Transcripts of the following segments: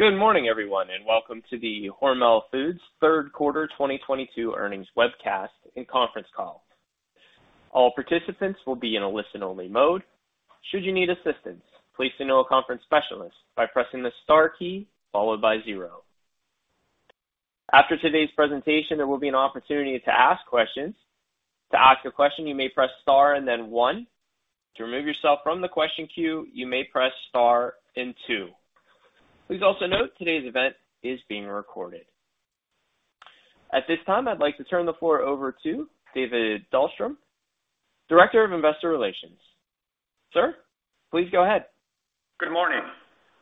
Good morning, everyone, and welcome to the Hormel Foods Third Quarter 2022 Earnings Webcast and Conference Call. All participants will be in a listen-only mode. Should you need assistance, please signal a conference specialist by pressing the star key followed by zero. After today's presentation, there will be an opportunity to ask questions. To ask a question, you may press star and then one. To remove yourself from the question queue, you may press star and two. Please also note today's event is being recorded. At this time, I'd like to turn the floor over to David Dahlstrom, Director of Investor Relations. Sir, please go ahead. Good morning.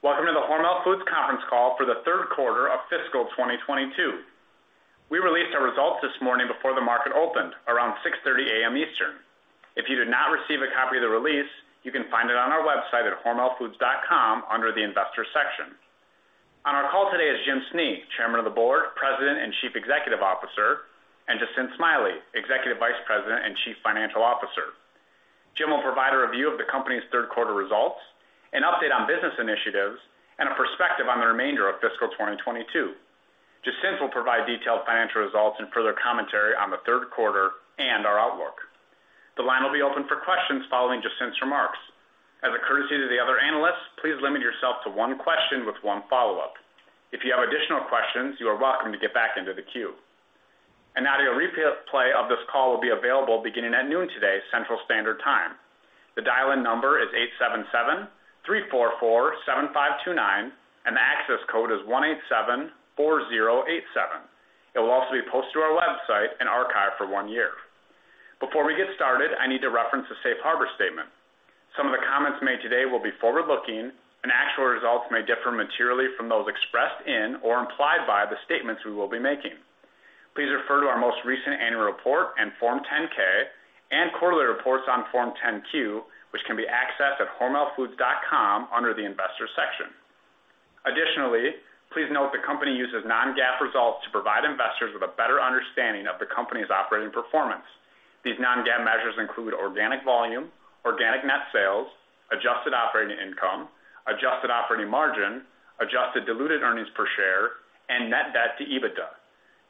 Welcome to the Hormel Foods conference call for the third quarter of fiscal 2022. We released our results this morning before the market opened around 6:30 A.M. Eastern. If you did not receive a copy of the release, you can find it on our website at hormelfoods.com under the Investors section. On our call today is Jim Snee, Chairman of the Board, President, and Chief Executive Officer, and Jacinth Smiley, Executive Vice President and Chief Financial Officer. Jim will provide a review of the company's third quarter results, an update on business initiatives, and a perspective on the remainder of fiscal 2022. Jacinth will provide detailed financial results and further commentary on the third quarter and our outlook. The line will be open for questions following Jacinth's remarks. As a courtesy to the other analysts, please limit yourself to one question with one follow-up. If you have additional questions, you are welcome to get back into the queue. An audio replay of this call will be available beginning at noon today, Central Standard Time. The dial-in number is 877-344-7529, and the access code is 1874087. It will also be posted to our website and archived for one year. Before we get started, I need to reference the Safe Harbor statement. Some of the comments made today will be forward-looking, and actual results may differ materially from those expressed in or implied by the statements we will be making. Please refer to our most recent annual report and Form 10-K and quarterly reports on Form 10-Q, which can be accessed at hormelfoods.com under the Investors section. Additionally, please note the company uses non-GAAP results to provide investors with a better understanding of the company's operating performance. These non-GAAP measures include organic volume, organic net sales, adjusted operating income, adjusted operating margin, adjusted diluted earnings per share, and net debt to EBITDA.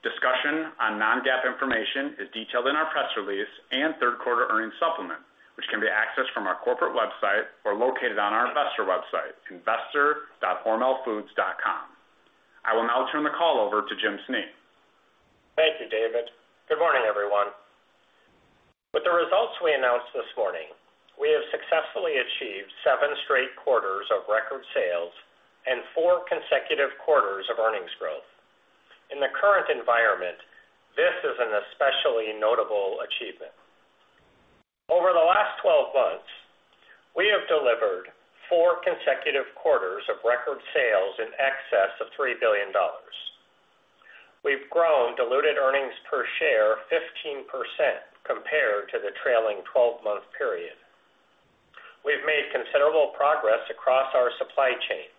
Discussion on non-GAAP information is detailed in our press release and third quarter earnings supplement, which can be accessed from our corporate website or located on our investor website, investor.hormelfoods.com. I will now turn the call over to Jim Snee. Thank you, David. Good morning, everyone. With the results we announced this morning, we have successfully achieved seven straight quarters of record sales and four consecutive quarters of earnings growth. In the current environment, this is an especially notable achievement. Over the last 12 months, we have delivered four consecutive quarters of record sales in excess of $3 billion. We've grown diluted earnings per share 15% compared to the trailing 12-month period. We've made considerable progress across our supply chain,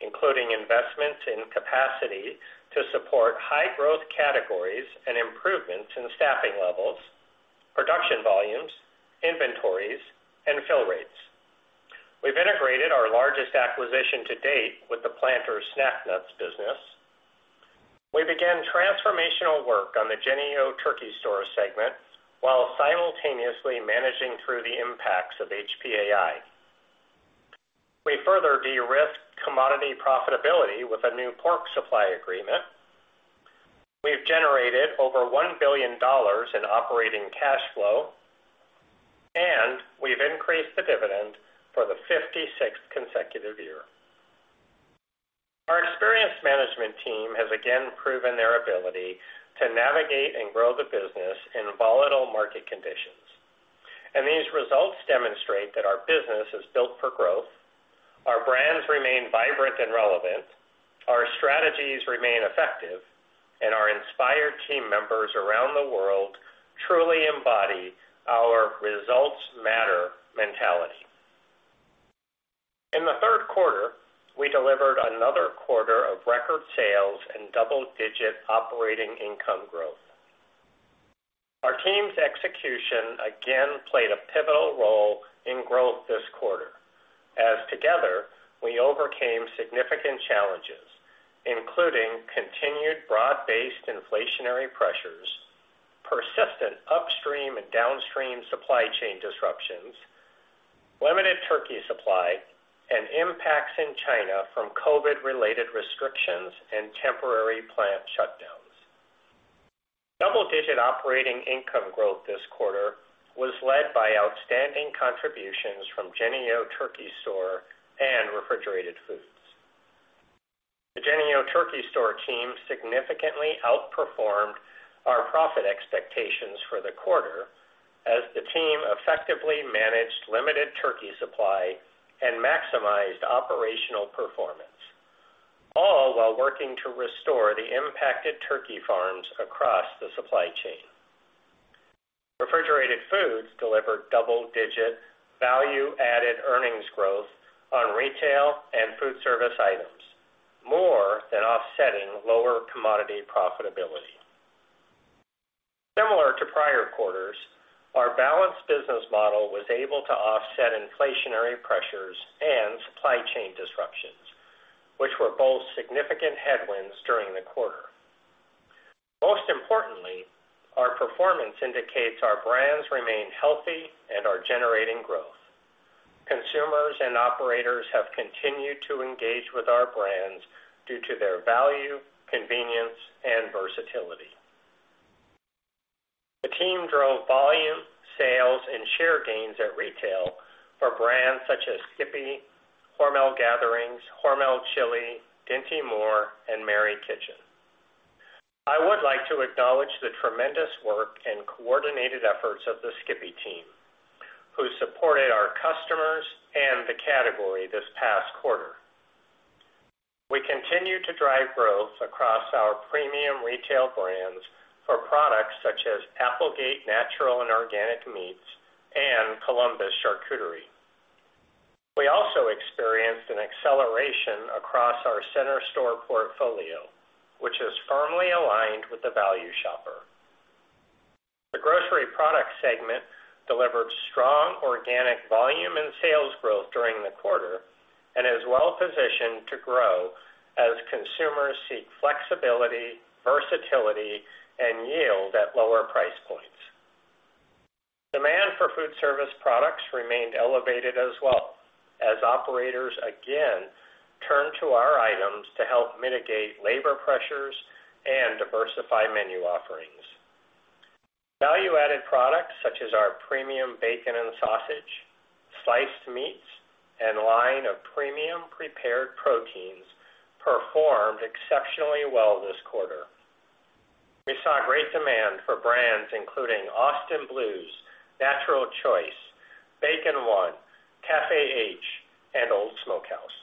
including investments in capacity to support high growth categories and improvements in staffing levels, production volumes, inventories, and fill rates. We've integrated our largest acquisition to date with the Planters snack nuts business. We began transformational work on the Jennie-O Turkey Store segment while simultaneously managing through the impacts of HPAI. We further de-risked commodity profitability with a new pork supply agreement. We've generated over $1 billion in operating cash flow, and we've increased the dividend for the 56th consecutive year. Our experienced management team has again proven their ability to navigate and grow the business in volatile market conditions. These results demonstrate that our business is built for growth. Our brands remain vibrant and relevant. Our strategies remain effective. Our inspired team members around the world truly embody our results matter mentality. In the third quarter, we delivered another quarter of record sales and double-digit operating income growth. Our team's execution again played a pivotal role in growth this quarter as together we overcame significant challenges, including continued broad-based inflationary pressures, persistent upstream and downstream supply chain disruptions, limited turkey supply, and impacts in China from COVID-related restrictions and temporary plant shutdowns. Double-digit operating income growth this quarter was led by outstanding contributions from Jennie-O Turkey Store and Refrigerated Foods. The Jennie-O Turkey Store team significantly outperformed our profit expectations for the quarter as the team effectively managed limited turkey supply and maximized operational performance, all while working to restore the impacted turkey farms across the supply chain. Refrigerated Foods delivered double-digit value-added earnings growth on Retail and Foodservice items, more than offsetting lower commodity profitability. Similar to prior quarters, our Balanced business model was able to offset inflationary pressures and supply chain disruptions, which were both significant headwinds during the quarter. Most importantly, our performance indicates our brands remain healthy and are generating growth. Consumers and operators have continued to engage with our brands due to their value, convenience, and versatility. The team drove volume, sales and share gains at Retail for brands such as SKIPPY, HORMEL GATHERINGS, HORMEL Chili, Dinty Moore and MARY KITCHEN. I would like to acknowledge the tremendous work and coordinated efforts of the SKIPPY team who supported our customers and the category this past quarter. We continue to drive growth across our premium Retail brands for products such as Applegate natural and organic meats and COLUMBUS charcuterie. We also experienced an acceleration across our center store portfolio, which is firmly aligned with the value shopper. The Grocery Products segment delivered strong organic volume and sales growth during the quarter and is well positioned to grow as consumers seek flexibility, versatility and yield at lower price points. Demand for Foodservice products remained elevated as well as operators again turned to our items to help mitigate labor pressures and diversify menu offerings. Value added products such as our premium bacon and sausage, sliced meats and line of premium prepared proteins performed exceptionally well this quarter. We saw great demand for brands including AUSTIN BLUES, NATURAL CHOICE, BACON 1, CAFÉ H, and OLD SMOKEHOUSE.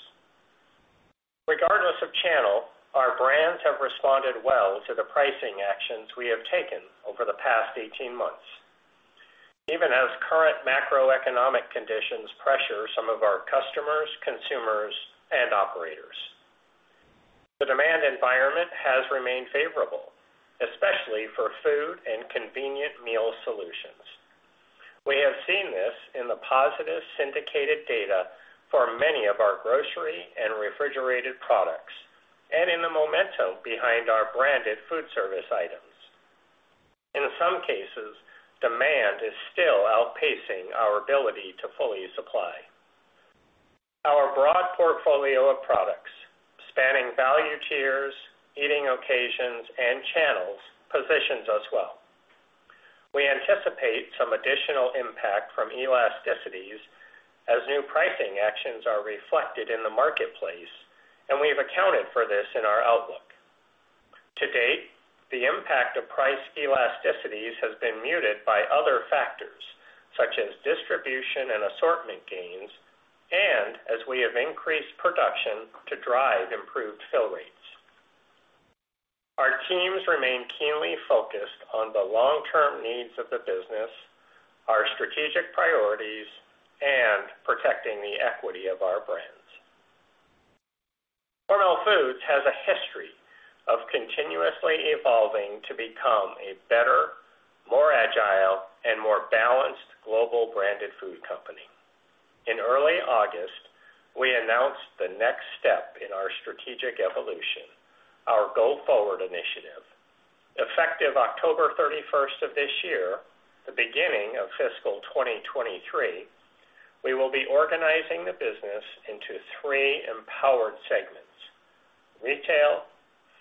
Regardless of channel, our brands have responded well to the pricing actions we have taken over the past 18 months, even as current macroeconomic conditions pressure some of our customers, consumers and operators. The demand environment has remained favorable, especially for food and convenient meal solutions. We have seen this in the positive syndicated data for many of our grocery and refrigerated products and in the momentum behind our branded Foodservice items. In some cases, demand is still outpacing our ability to fully supply. Our broad portfolio of products spanning value tiers, eating occasions and channels positions us well. We anticipate some additional impact from elasticities as new pricing actions are reflected in the marketplace, and we have accounted for this in our outlook. To date, the impact of price elasticities has been muted by other factors such as distribution and assortment gains and as we have increased production to drive improved fill rates. Our teams remain keenly focused on the long term needs of the business, our strategic priorities and protecting the equity of our brands. Hormel Foods has a history of continuously evolving to become a better, more agile and more balanced global branded food company. In early August, we announced the next step in our strategic evolution, our Go Forward initiative. Effective October 31st of this year, the beginning of fiscal 2023, we will be organizing the business into three empowered segments, Retail,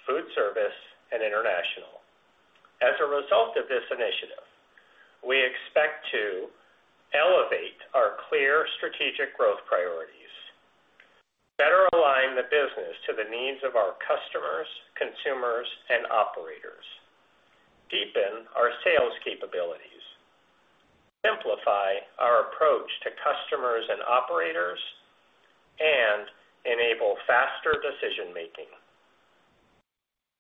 Foodservice, and International. As a result of this initiative, we expect to elevate our clear strategic growth priorities, better align the business to the needs of our customers, consumers and operators, deepen our sales capabilities, simplify our approach to customers and operators, and enable faster decision making.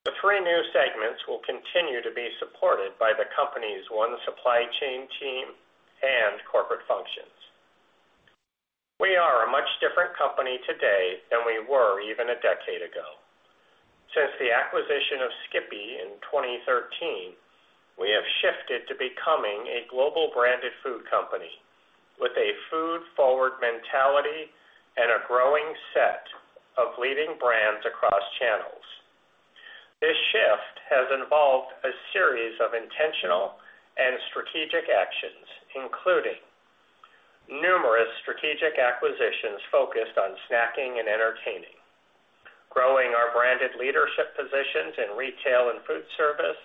The three new segments will continue to be supported by the company's One Supply Chain team and corporate functions. We are a much different company today than we were even a decade ago. Since the acquisition of SKIPPY in 2013, we have shifted to becoming a global branded food company with a food forward mentality and a growing set of leading brands across channels. This shift has involved a series of intentional and strategic actions, including numerous strategic acquisitions focused on snacking and entertaining, growing our branded leadership positions in Retail and Foodservice,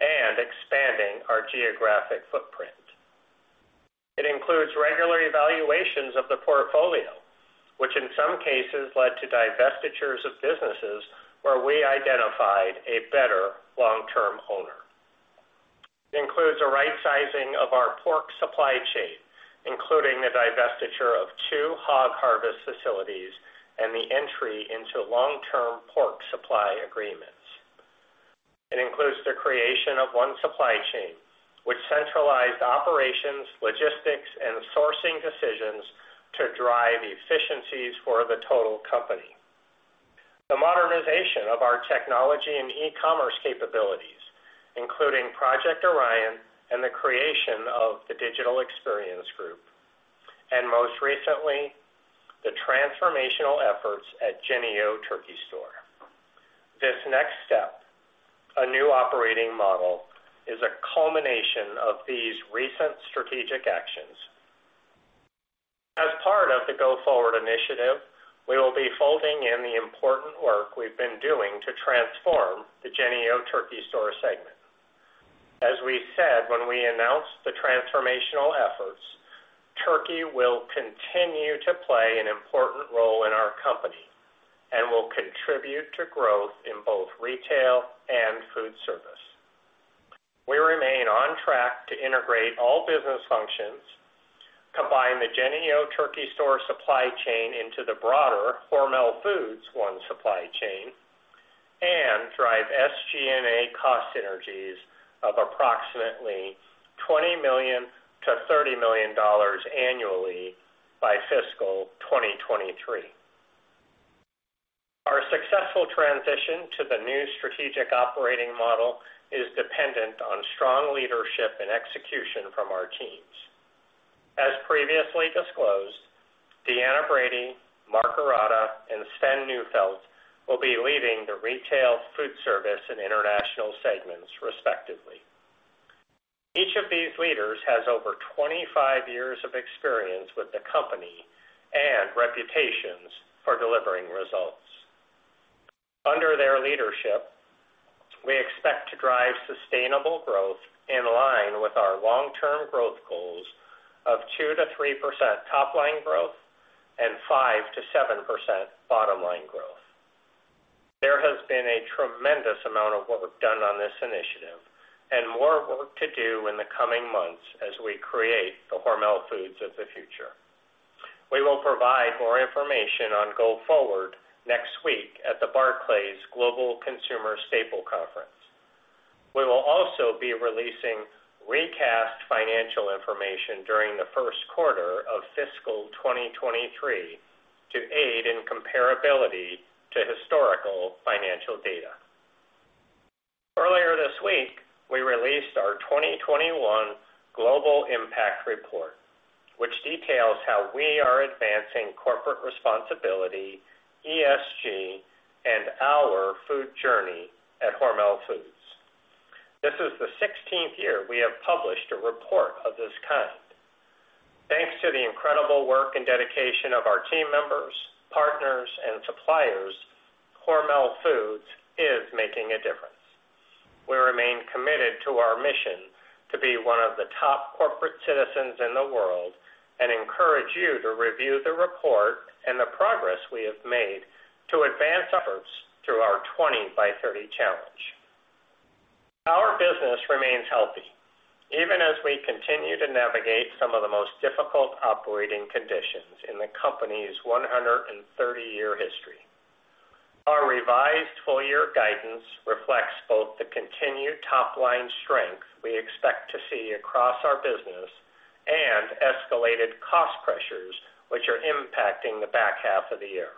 and expanding our geographic footprint. It includes regular evaluations of the portfolio, which in some cases led to divestitures of businesses where we identified a better long-term owner. It includes a right-sizing of our pork supply chain, including the divestiture of two hog harvest facilities and the entry into long-term pork supply agreements. It includes the creation of One Supply Chain which centralized operations, logistics and sourcing decisions to drive efficiencies for the total company. The modernization of our technology and e-commerce capabilities, including Project Orion and the creation of the Digital Experience Group, and most recently, the transformational efforts at Jennie-O Turkey Store. This next step, a new operating model, is a culmination of these recent strategic actions. As part of the Go Forward initiative, we will be folding in the important work we've been doing to transform the Jennie-O Turkey Store segment. As we said when we announced the transformational efforts, turkey will continue to play an important role in our company and will contribute to growth in both Retail and Foodservice. we remain on track to integrate all business functions, combine the Jennie-O Turkey Store supply chain into the broader Hormel Foods One Supply Chain and drive SG&A cost synergies of approximately $20 million-$30 million annually by fiscal 2023. Our successful transition to the new strategic operating model is dependent on strong leadership and execution from our teams. As previously disclosed, Deanna Brady, Mark Ourada, and Swen Neufeldt will be leading the Retail, Foodservice, and International segments, respectively. Each of these leaders has over 25 years of experience with the company and reputations for delivering results. Under their leadership, we expect to drive sustainable growth in line with our long-term growth goals of 2%-3% top line growth and 5%-7% bottom line growth. There has been a tremendous amount of work done on this initiative and more work to do in the coming months as we create the Hormel Foods of the future. We will provide more information on Go Forward next week at the Barclays Global Consumer Staples Conference. We will also be releasing recast financial information during the first quarter of fiscal 2023 to aid in comparability to historical financial data. Earlier this week, we released our 2021 Global Impact Report, which details how we are advancing corporate responsibility, ESG, and our food journey at Hormel Foods. This is the sixteenth year we have published a report of this kind. Thanks to the incredible work and dedication of our team members, partners and suppliers, Hormel Foods is making a difference. We remain committed to our mission to be one of the top corporate citizens in the world and encourage you to review the report and the progress we have made to advance efforts through our 20 By 30 Challenge. Our business remains healthy even as we continue to navigate some of the most difficult operating conditions in the company's 130-year history. Our revised full-year guidance reflects both the continued top line strength we expect to see across our business and escalated cost pressures which are impacting the back half of the year.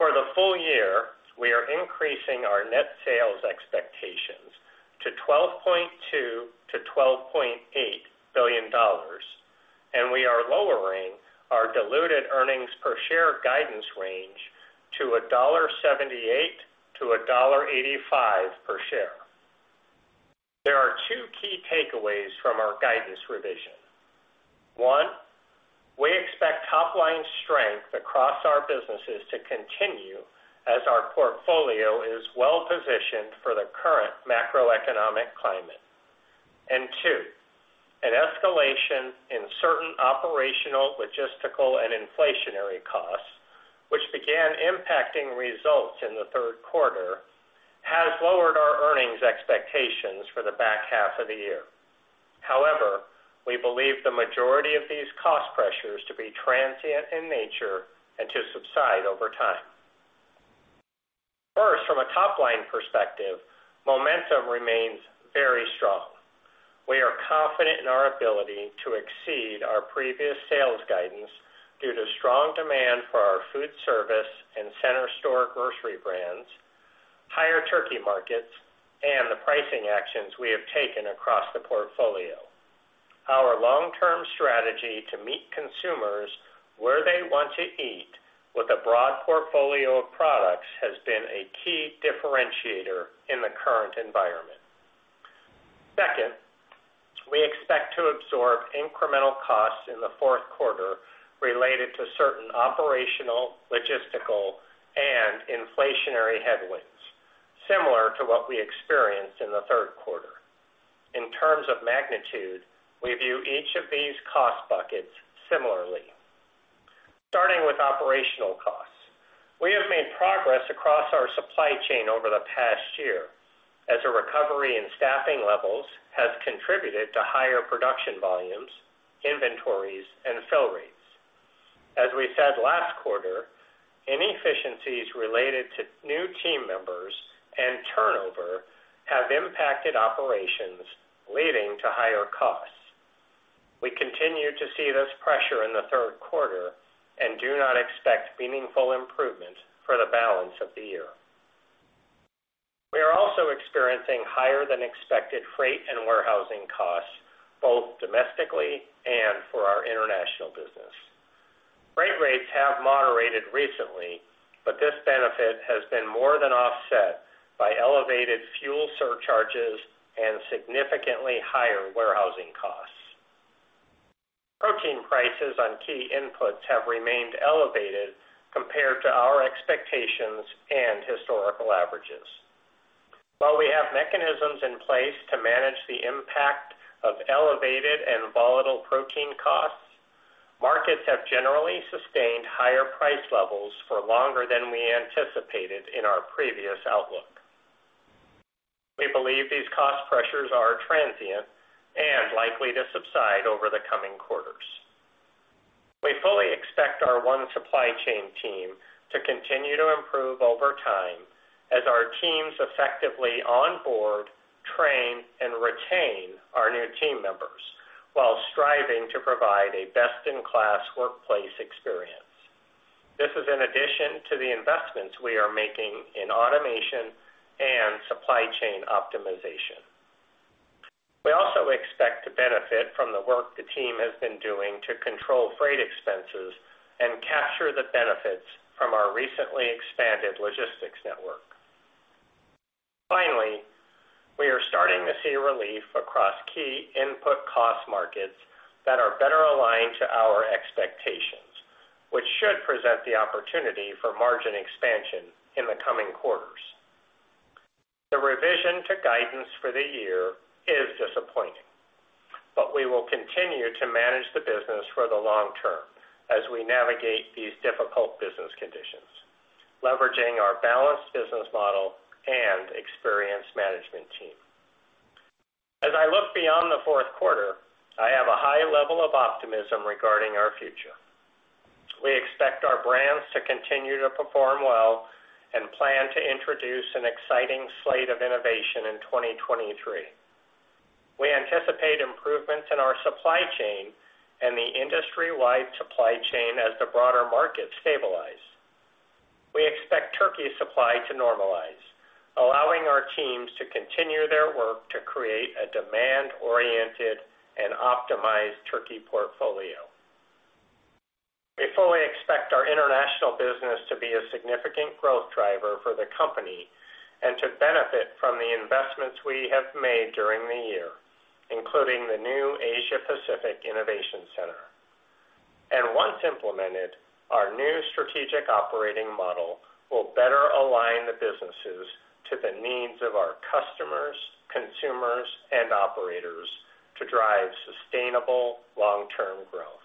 For the full year, we are increasing our net sales expectations to $12.2 billion-$12.8 billion, and we are lowering our diluted earnings per share guidance range to $1.78-$1.85 per share. There are two key takeaways from our guidance revision. One, we expect top line strength across our businesses to continue as our portfolio is well positioned for the current macroeconomic climate. Two, an escalation in certain operational, logistical and inflationary costs, which began impacting results in the third quarter, has lowered our earnings expectations for the back half of the year. However, we believe the majority of these cost pressures to be transient in nature and to subside over time. First, from a top line perspective, momentum remains very strong. We are confident in our ability to exceed our previous sales guidance due to strong demand for our Foodservice and center store grocery brands, higher turkey markets, and the pricing actions we have taken across the portfolio. Our long-term strategy to meet consumers where they want to eat with a broad portfolio of products has been a key differentiator in the current environment. Second, we expect to absorb incremental costs in the fourth quarter related to certain operational, logistical and inflationary headwinds similar to what we experienced in the third quarter. In terms of magnitude, we view each of these cost buckets similarly. Starting with operational costs, we have made progress across our supply chain over the past year as a recovery in staffing levels has contributed to higher production volumes, inventories and fill rates. As we said last quarter, inefficiencies related to new team members and turnover have impacted operations leading to higher costs. We continue to see this pressure in the third quarter and do not expect meaningful improvement for the balance of the year. We are also experiencing higher than expected freight and warehousing costs, both domestically and for our International business. Freight rates have moderated recently, but this benefit has been more than offset by elevated fuel surcharges and significantly higher warehousing costs. Protein prices on key inputs have remained elevated compared to our expectations and historical averages. While we have mechanisms in place to manage the impact of elevated and volatile protein costs, markets have generally sustained higher price levels for longer than we anticipated in our previous outlook. We believe these cost pressures are transient and likely to subside over the coming quarters. We fully expect our One Supply Chain team to continue to improve over time as our teams effectively onboard, train, and retain our new team members while striving to provide a best-in-class workplace experience. This is in addition to the investments we are making in automation and supply chain optimization. We also expect to benefit from the work the team has been doing to control freight expenses and capture the benefits from our recently expanded logistics network. Finally, we are starting to see relief across key input cost markets that are better aligned to our expectations, which should present the opportunity for margin expansion in the coming quarters. The revision to guidance for the year is disappointing, but we will continue to manage the business for the long term as we navigate these difficult business conditions, leveraging our Balanced business model and experienced management team. As I look beyond the fourth quarter, I have a high level of optimism regarding our future. We expect our brands to continue to perform well and plan to introduce an exciting slate of innovation in 2023. We anticipate improvements in our supply chain and the industry-wide supply chain as the broader market stabilize. We expect turkey supply to normalize, allowing our teams to continue their work to create a demand-oriented and optimized turkey portfolio. We fully expect our International business to be a significant growth driver for the company and to benefit from the investments we have made during the year, including the new Asia-Pacific Innovation Center. Once implemented, our new strategic operating model will better align the businesses to the needs of our customers, consumers, and operators to drive sustainable long-term growth.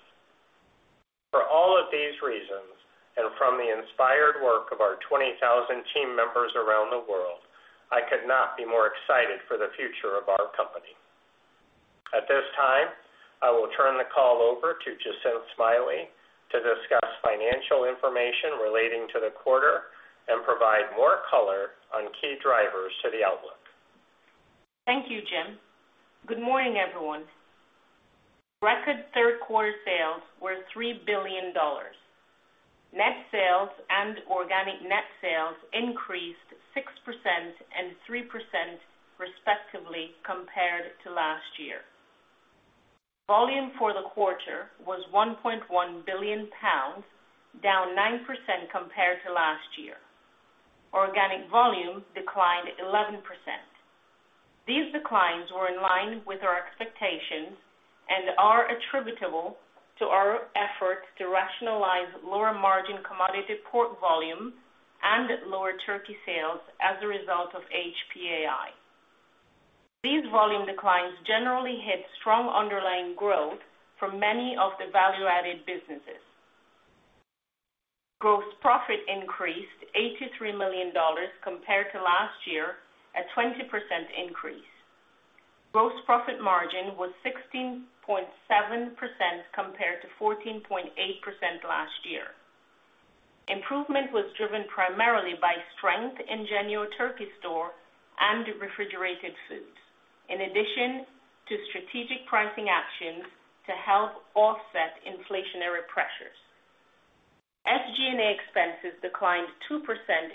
For all of these reasons, and from the inspired work of our 20,000 team members around the world, I could not be more excited for the future of our company. At this time, I will turn the call over to Jacinth Smiley to discuss financial information relating to the quarter and provide more color on key drivers to the outlook. Thank you, Jim. Good morning, everyone. Record third quarter sales were $3 billion. Net sales and organic net sales increased 6% and 3% respectively compared to last year. Volume for the quarter was 1.1 billion pounds, down 9% compared to last year. Organic volume declined 11%. These declines were in line with our expectations and are attributable to our efforts to rationalize lower-margin commodity pork volume and lower turkey sales as a result of HPAI. These volume declines generally hit strong underlying growth for many of the value-added businesses. Gross profit increased $83 million compared to last year, a 20% increase. Gross profit margin was 16.7% compared to 14.8% last year. Improvement was driven primarily by strength in Jennie-O Turkey Store and Refrigerated Foods, in addition to strategic pricing actions to help offset inflationary pressures. SG&A expenses declined 2%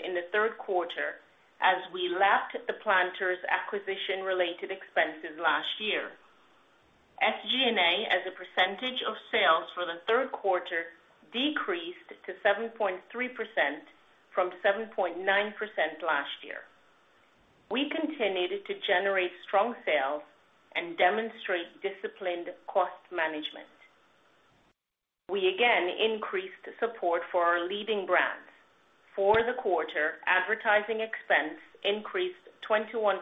in the third quarter as we lapped the Planters acquisition-related expenses last year. SG&A as a percentage of sales for the third quarter decreased to 7.3% from 7.9% last year. We continued to generate strong sales and demonstrate disciplined cost management. We again increased support for our leading brands. For the quarter, advertising expense increased 21%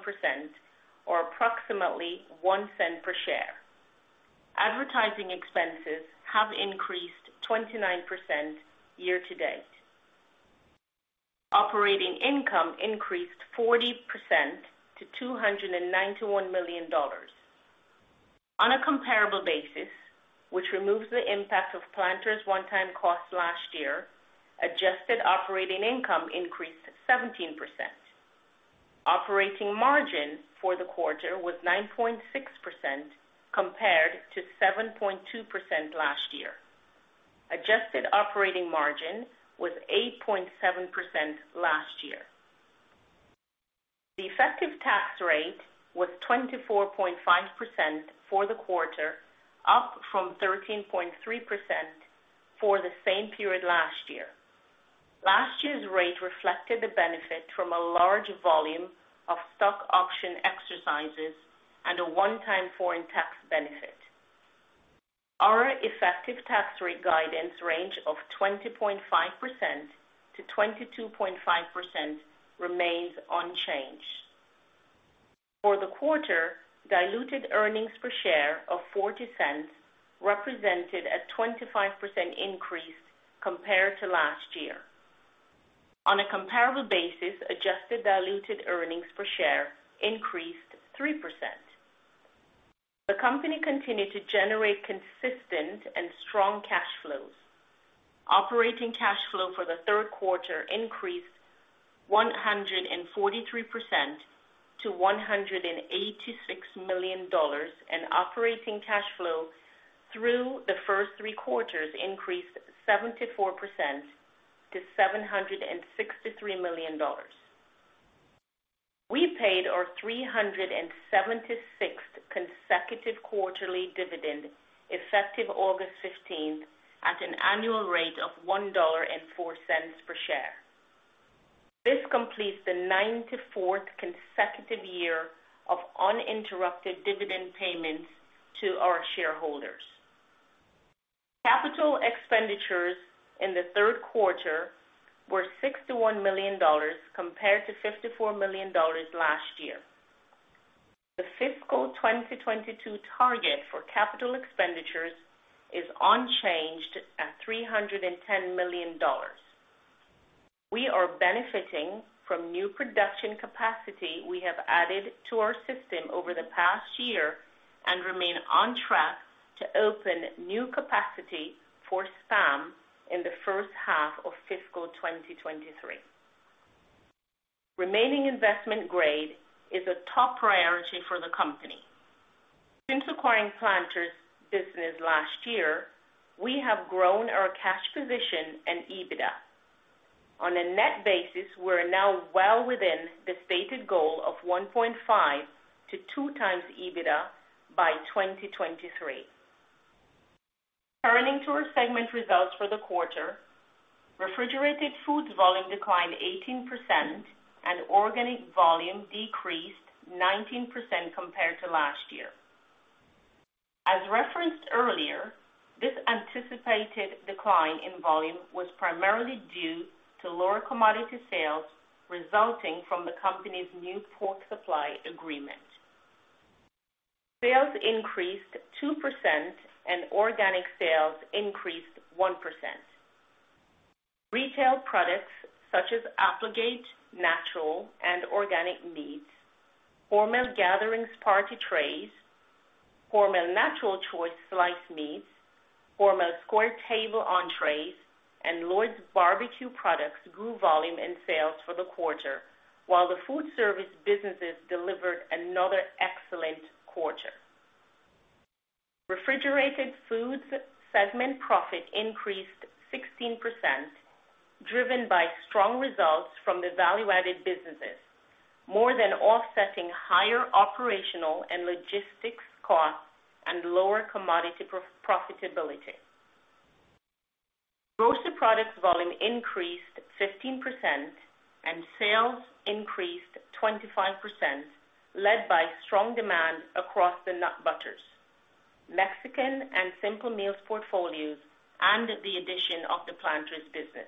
or approximately $0.01 per share. Advertising expenses have increased 29% year-to-date. Operating income increased 40% to $291 million. On a comparable basis, which removes the impact of Planters' one-time cost last year, adjusted operating income increased 17%. Operating margin for the quarter was 9.6%, compared to 7.2% last year. Adjusted operating margin was 8.7% last year. The effective tax rate was 24.5% for the quarter, up from 13.3% for the same period last year. Last year's rate reflected the benefit from a large volume of stock option exercises and a one-time foreign tax benefit. Our effective tax rate guidance range of 20.5%-22.5% remains unchanged. For the quarter, diluted earnings per share of $0.40 represented a 25% increase compared to last year. On a comparable basis, adjusted diluted earnings per share increased 3%. The company continued to generate consistent and strong cash flows. Operating cash flow for the third quarter increased 143% to $186 million, and operating cash flow through the first three quarters increased 74% to $763 million. We paid our 376th consecutive quarterly dividend effective August 15th, at an annual rate of $1.04 per share. This completes the 94th consecutive year of uninterrupted dividend payments to our shareholders. Capital expenditures in the third quarter were $61 million, compared to $54 million last year. The fiscal 2022 target for capital expenditures is unchanged at $310 million. We are benefiting from new production capacity we have added to our system over the past year and remain on track to open new capacity for SPAM in the first half of fiscal 2023. Remaining investment grade is a top priority for the company. Since acquiring Planters business last year, we have grown our cash position and EBITDA. On a net basis, we're now well within the stated goal of 1.5x-2x EBITDA by 2023. Turning to our segment results for the quarter, Refrigerated Foods volume declined 18%, and organic volume decreased 19% compared to last year. As referenced earlier, this anticipated decline in volume was primarily due to lower commodity sales resulting from the company's new pork supply agreement. Sales increased 2%, and organic sales increased 1%. Retail products such as Applegate natural and organic meats, HORMEL GATHERINGS party trays, HORMEL NATURAL CHOICE sliced meats, HORMEL SQUARE TABLE entrees, and LLOYD’S Barbeque products grew volume and sales for the quarter, while the Foodservice businesses delivered another excellent quarter. Refrigerated Foods segment profit increased 16%, driven by strong results from the value-added businesses, more than offsetting higher operational and logistics costs and lower commodity profitability. Grocery Products volume increased 15%, and sales increased 25%, led by strong demand across the nut butters, Mexican and Simple Meals portfolios, and the addition of the Planters business.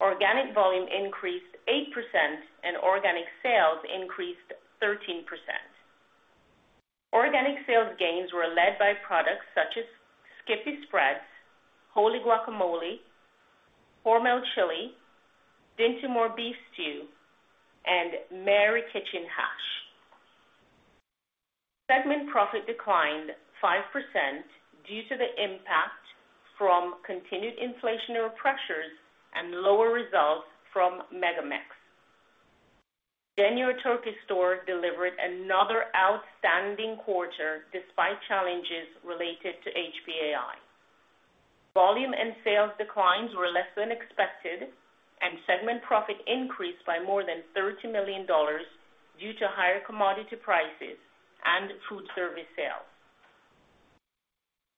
Organic volume increased 8%, and organic sales increased 13%. Organic sales gains were led by products such as SKIPPY spreads, WHOLLY Guacamole, HORMEL Chili, Dinty Moore beef stew, and MARY KITCHEN hash. Segment profit declined 5% due to the impact from continued inflationary pressures and lower results from MegaMex. Jennie-O Turkey Store delivered another outstanding quarter despite challenges related to HPAI. Volume and sales declines were less than expected, and segment profit increased by more than $30 million due to higher commodity prices and Foodservice sales.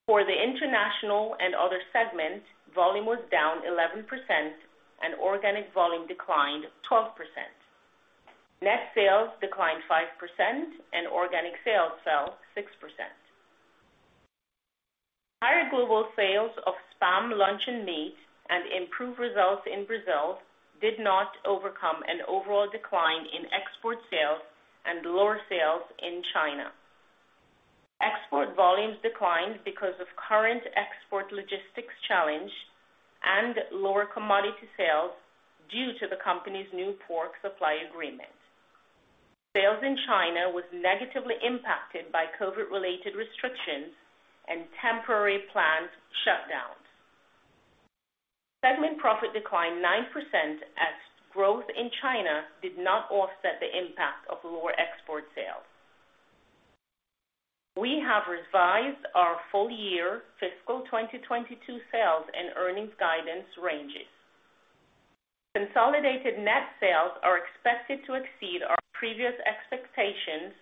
For the International and Other segment, volume was down 11% and organic volume declined 12%. Net sales declined 5%, and organic sales fell 6%. Higher global sales of SPAM luncheon meat and improved results in Brazil did not overcome an overall decline in export sales and lower sales in China. Export volumes declined because of current export logistics challenge and lower commodity sales due to the company's new pork supply agreement. Sales in China was negatively impacted by COVID-related restrictions and temporary plant shutdowns. Segment profit declined 9% as growth in China did not offset the impact of lower export sales. We have revised our full-year fiscal 2022 sales and earnings guidance ranges. Consolidated net sales are expected to exceed our previous expectations,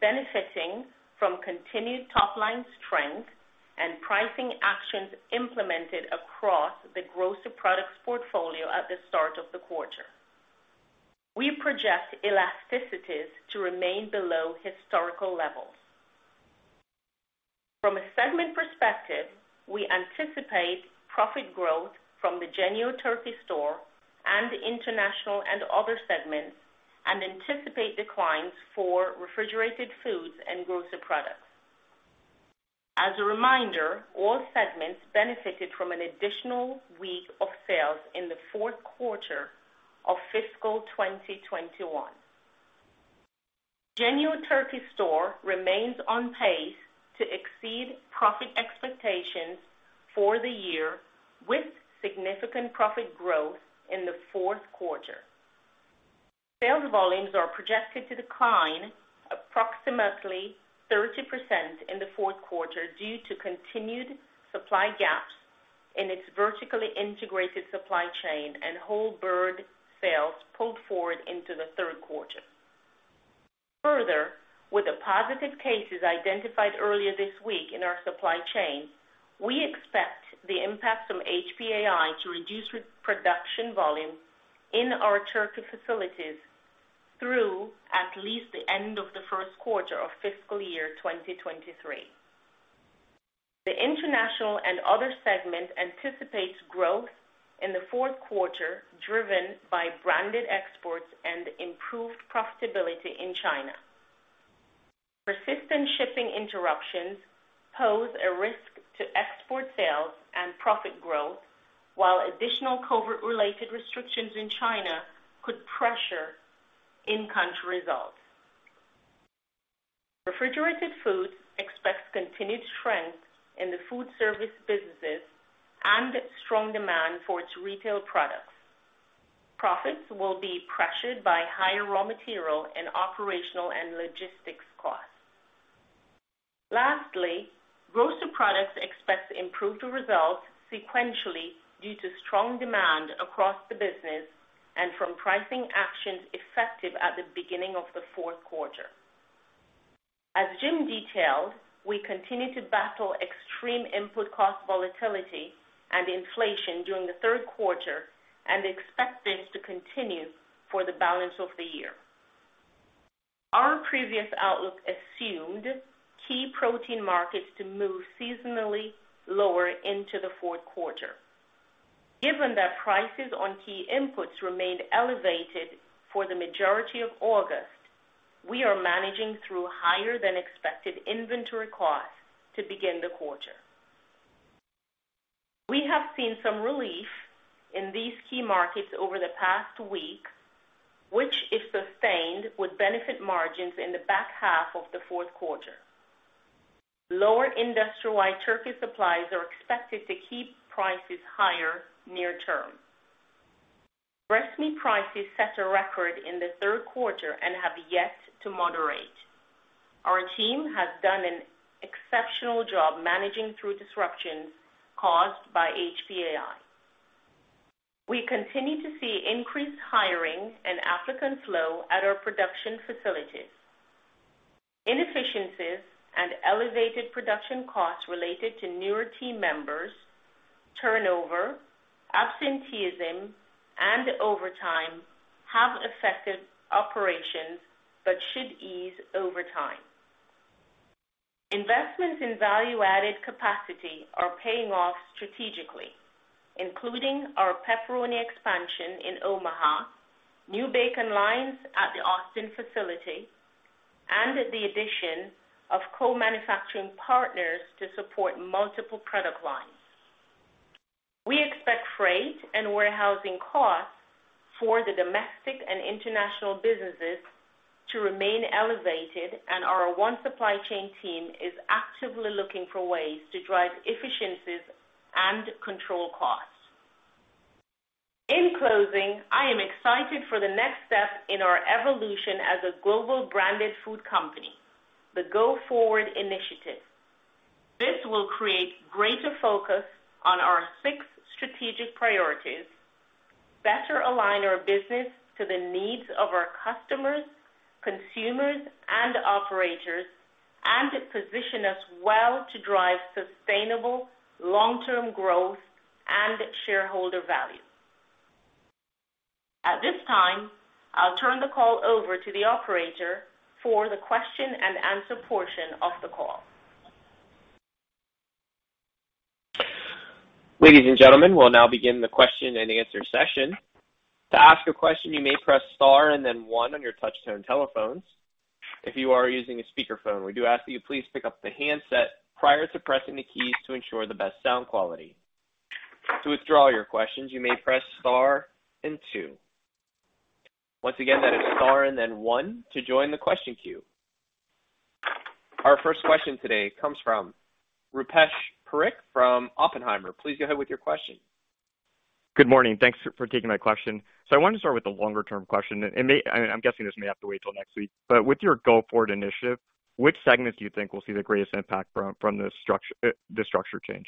benefiting from continued top line strength and pricing actions implemented across the Grocery Products portfolio at the start of the quarter. We project elasticities to remain below historical levels. From a segment perspective, we anticipate profit growth from the Jennie-O Turkey Store and International and Other segments, and anticipate declines for Refrigerated Foods and Grocery Products. As a reminder, all segments benefited from an additional week of sales in the fourth quarter of fiscal 2021. Jennie-O Turkey Store remains on pace to exceed profit expectations for the year with significant profit growth in the fourth quarter. Sales volumes are projected to decline approximately 30% in the fourth quarter due to continued supply gaps in its vertically integrated supply chain and whole bird sales pulled forward into the third quarter. Further, with the positive cases identified earlier this week in our supply chain, we expect the impact from HPAI to reduce production volume in our turkey facilities through at least the end of the first quarter of fiscal year 2023. The International and Other segment anticipates growth in the fourth quarter, driven by branded exports and improved profitability in China. Persistent shipping interruptions pose a risk to export sales and profit growth, while additional COVID-related restrictions in China could pressure in-country results. Refrigerated Foods expects continued strength in the Foodservice businesses and strong demand for its Retail products. Profits will be pressured by higher raw material and operational and logistics costs. Lastly, Grocery Products expects improved results sequentially due to strong demand across the business and from pricing actions effective at the beginning of the fourth quarter. As Jim detailed, we continue to battle extreme input cost volatility and inflation during the third quarter and expect this to continue for the balance of the year. Our previous outlook assumed key protein markets to move seasonally lower into the fourth quarter. Given that prices on key inputs remained elevated for the majority of August, we are managing through higher than expected inventory costs to begin the quarter. We have seen some relief in these key markets over the past week, which if sustained, would benefit margins in the back half of the fourth quarter. Lower industry-wide turkey supplies are expected to keep prices higher near term. Breast meat prices set a record in the third quarter and have yet to moderate. Our team has done an exceptional job managing through disruptions caused by HPAI. We continue to see increased hiring and applicant flow at our production facilities. Inefficiencies and elevated production costs related to newer team members, turnover, absenteeism, and overtime have affected operations but should ease over time. Investments in value-added capacity are paying off strategically, including our pepperoni expansion in Omaha, new bacon lines at the Austin facility, and the addition of co-manufacturing partners to support multiple product lines. We expect freight and warehousing costs for the domestic and international businesses to remain elevated, and our One Supply Chain team is actively looking for ways to drive efficiencies and control costs. In closing, I am excited for the next step in our evolution as a global branded food company, the Go Forward initiative. This will create greater focus on our six strategic priorities, better align our business to the needs of our customers, consumers and operators, and position us well to drive sustainable long-term growth and shareholder value. At this time, I'll turn the call over to the operator for the question-and-answer portion of the call. Ladies and gentlemen, we'll now begin the question-and-answer session. To ask a question, you may press star and then one on your touch tone telephones. If you are using a speakerphone, we do ask that you please pick up the handset prior to pressing the keys to ensure the best sound quality. To withdraw your questions, you may press star and two. Once again, that is star and then one to join the question queue. Our first question today comes from Rupesh Parikh from Oppenheimer. Please go ahead with your question. Good morning. Thanks for taking my question. I want to start with the longer-term question. I'm guessing this may have to wait till next week, but with your Go Forward initiative, which segments do you think will see the greatest impact from the structure change?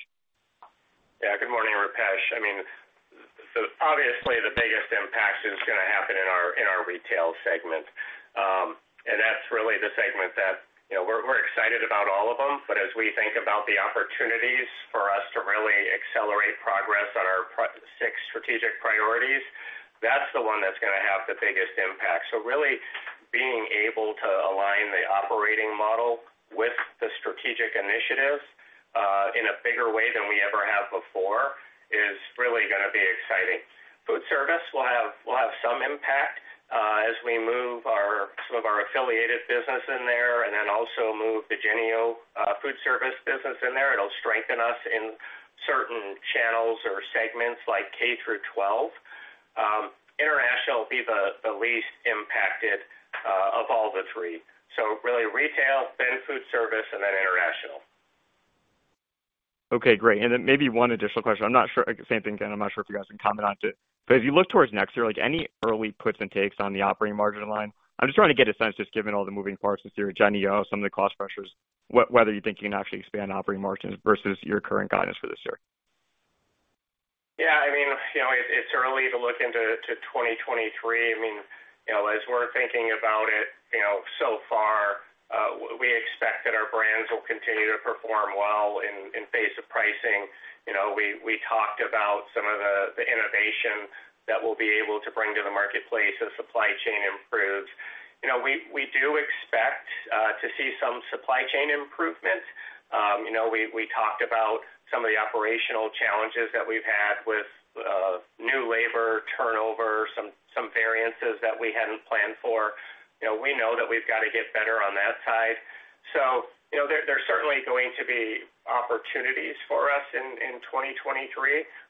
Yeah. Good morning, Rupesh. I mean, obviously the biggest impact is gonna happen in our Retail segment. That's really the segment that, you know, we're excited about all of them, but as we think about the opportunities for us to really accelerate progress on our six strategic priorities, that's the one that's gonna have the biggest impact. Really being able to align the operating model with the strategic initiatives in a bigger way than we ever have before is really gonna be exciting. Foodservice will have some impact as we move some of our affiliated business in there and then also move the Foodservice business in there. It'll strengthen us in certain channels or segments like K-12. International will be the least impacted of all the three. Really Retail, Foodservice, and then International. Okay, great. Maybe one additional question. I'm not sure. Same thing, Jim, I'm not sure if you guys can comment on it, but if you look towards next year, like, any early puts and takes on the operating margin line. I'm just trying to get a sense, just given all the moving parts this year, Jennie-O, some of the cost pressures, whether you think you can actually expand operating margins versus your current guidance for this year. Yeah, I mean, you know, it's early to look into 2023. I mean, you know, as we're thinking about it, you know, so far, we expect that our brands will continue to perform well in face of pricing. You know, we talked about some of the innovation that we'll be able to bring to the marketplace as supply chain improves. You know, we do expect to see some supply chain improvements. You know, we talked about some of the operational challenges that we've had with new labor turnover, some variances that we hadn't planned for. You know, we know that we've got to get better on that side. You know, there's certainly going to be opportunities for us in 2023.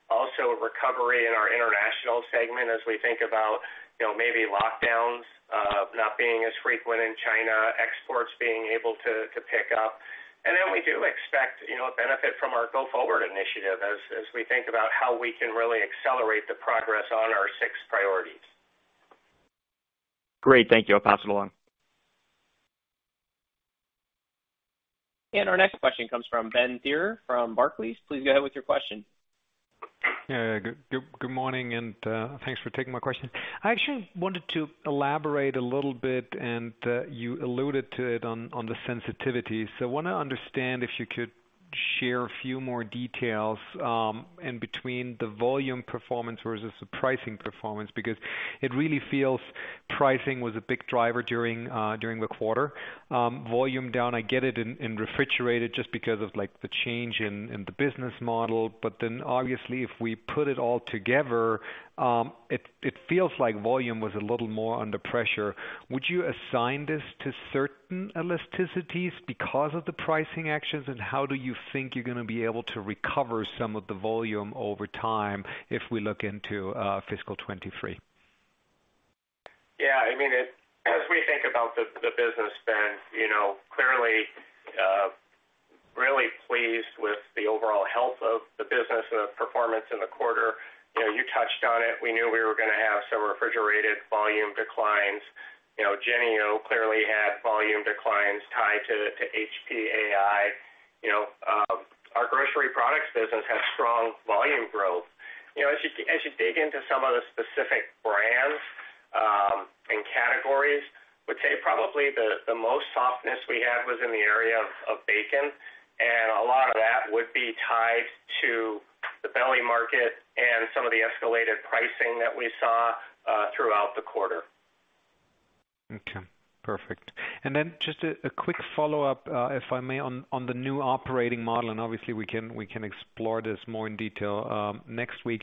Also, recovery in our International segment as we think about, you know, maybe lockdowns not being as frequent in China, exports being able to pick up. We do expect, you know, a benefit from our Go Forward initiative as we think about how we can really accelerate the progress on our six priorities. Great. Thank you. I'll pass it along. Our next question comes from Ben Theurer from Barclays. Please go ahead with your question. Yeah. Good morning, and thanks for taking my question. I actually wanted to elaborate a little bit, and you alluded to it on the sensitivity. Wanna understand if you could share a few more details in between the volume performance versus the pricing performance, because it really feels pricing was a big driver during the quarter. Volume down, I get it in refrigerated just because of, like, the change in the business model. Then, obviously, if we put it all together, it feels like volume was a little more under pressure. Would you assign this to certain elasticities because of the pricing actions? How do you think you're gonna be able to recover some of the volume over time if we look into fiscal 2023? Yeah, I mean, as we think about the business, Ben, you know, clearly really pleased with the overall health of the business and the performance in the quarter. You know, you touched on it. We knew we were gonna have some refrigerated volume declines. You know, Jennie-O clearly had volume declines tied to HPAI. You know, our Grocery Products business had strong volume growth. You know, as you dig into some of the specific brands and categories, would say probably the most softness we had was in the area of bacon, and a lot of that would be tied to the belly market and some of the escalated pricing that we saw throughout the quarter. Okay. Perfect. Then just a quick follow-up, if I may, on the new operating model, and obviously we can explore this more in detail next week.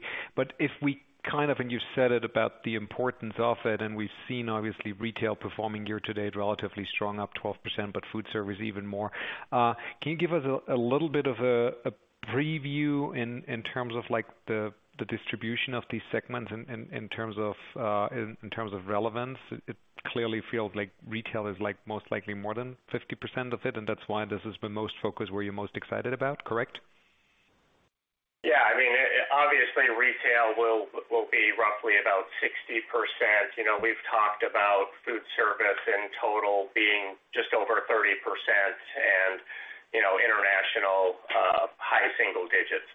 If we kind of, and you said it about the importance of it, and we've seen obviously Retail performing year to date relatively strong, up 12%, Foodservice even more. Can you give us a little bit of a preview in terms of, like, the distribution of these segments in terms of relevance? It clearly feels like Retail is, like, most likely more than 50% of it, and that's why this is the most focus where you're most excited about, correct? Yeah. I mean, obviously, Retail will be roughly about 60%. You know, we've talked about Foodservice in total being just over 30% and, you know, International, high single digits.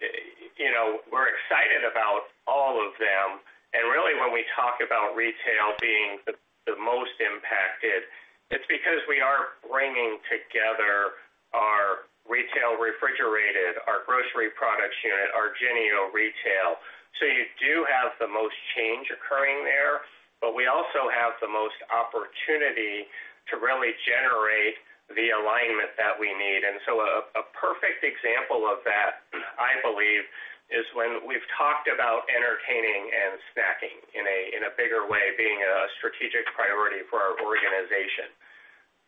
You know, we're excited about all of them. Really, when we talk about Retail being the most impacted, it's because we are bringing together our Retail Refrigerated, our Grocery Products unit, our Jennie-O Retail. You do have the most change occurring there, but we also have the most opportunity to really generate the alignment that we need. A perfect example of that, I believe, is when we've talked about entertaining and snacking in a bigger way, being a strategic priority for our organization.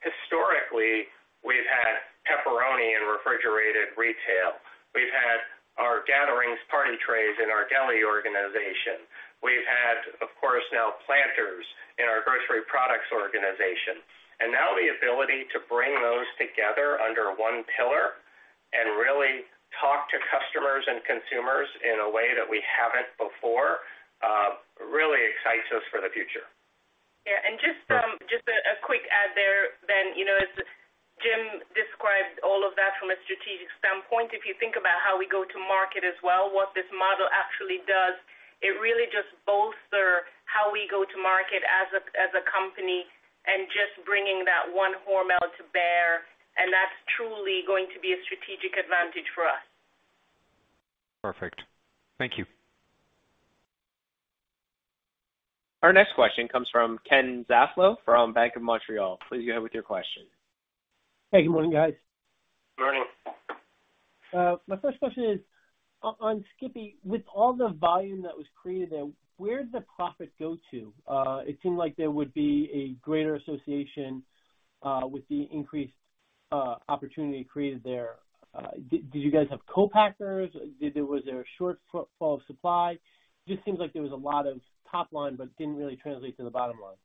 Historically, only in Refrigerated Retail. We've had our Gatherings party trays in our deli organization. We've had, of course, now Planters in our Grocery Products organization. Now the ability to bring those together under one pillar and really talk to customers and consumers in a way that we haven't before, really excites us for the future. Yeah. Just a quick add there then. You know, as Jim described all of that from a strategic standpoint, if you think about how we go to market as well, what this model actually does, it really just bolsters how we go to market as a company and just bringing that one Hormel to bear. That's truly going to be a strategic advantage for us. Perfect. Thank you. Our next question comes from Ken Zaslow from Bank of Montreal. Please go ahead with your question. Hey, good morning, guys. Morning. My first question is on SKIPPY, with all the volume that was created there, where did the profit go to? It seemed like there would be a greater association with the increased opportunity created there. Did you guys have co-packers? Was there a shortfall of supply? Just seems like there was a lot of top line, but didn't really translate to the bottom line.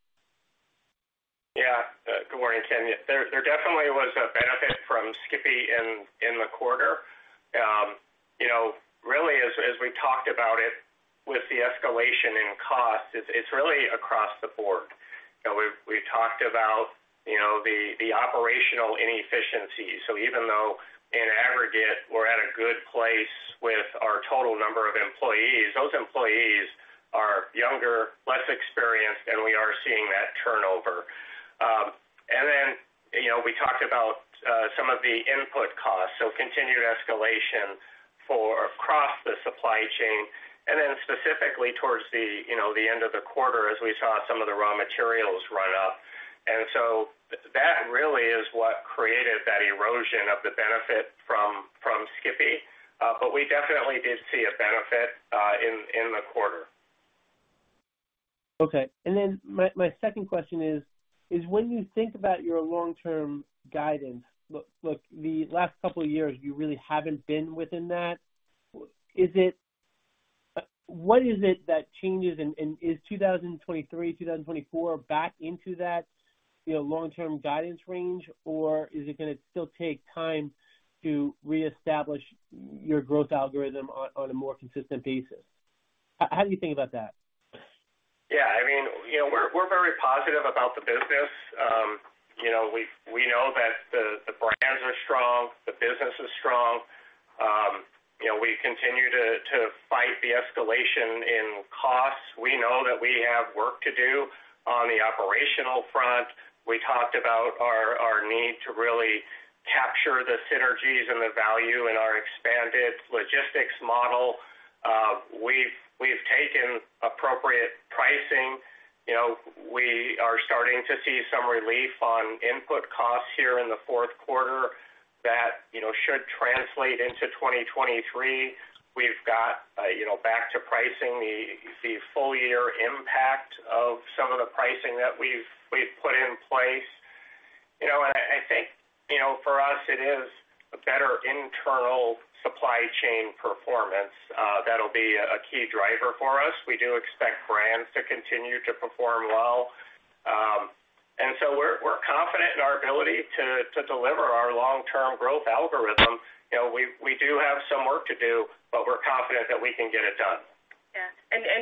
Yeah. Good morning, Ken. There definitely was a benefit from SKIPPY in the quarter. You know, really, as we talked about it with the escalation in costs, it's really across the board. You know, we talked about you know the operational inefficiencies. Even though in aggregate we're at a good place with our total number of employees, those employees are younger, less experienced, and we are seeing that turnover. Then you know we talked about some of the input costs, so continued escalation across the supply chain and then specifically towards the end of the quarter as we saw some of the raw materials run up. That really is what created that erosion of the benefit from SKIPPY. We definitely did see a benefit in the quarter. Okay. Then my second question is, when you think about your long term guidance, look, the last couple of years, you really haven't been within that. Is it? What is it that changes? And is 2023, 2024 back into that, you know, long term guidance range, or is it gonna still take time to reestablish your growth algorithm on a more consistent basis? How do you think about that? I mean, you know, we're very positive about the business. You know, we know that the brands are strong, the business is strong. You know, we continue to fight the escalation in costs. We know that we have work to do on the operational front. We talked about our need to really capture the synergies and the value in our expanded logistics model. We've taken appropriate pricing. You know, we are starting to see some relief on input costs here in the fourth quarter that should translate into 2023. We've got, you know, back to pricing the full year impact of some of the pricing that we've put in place. You know, I think, you know, for us it is a better internal supply chain performance, that'll be a key driver for us. We do expect brands to continue to perform well. We're confident in our ability to deliver our long-term growth algorithm. You know, we do have some work to do, but we're confident that we can get it done. Yeah.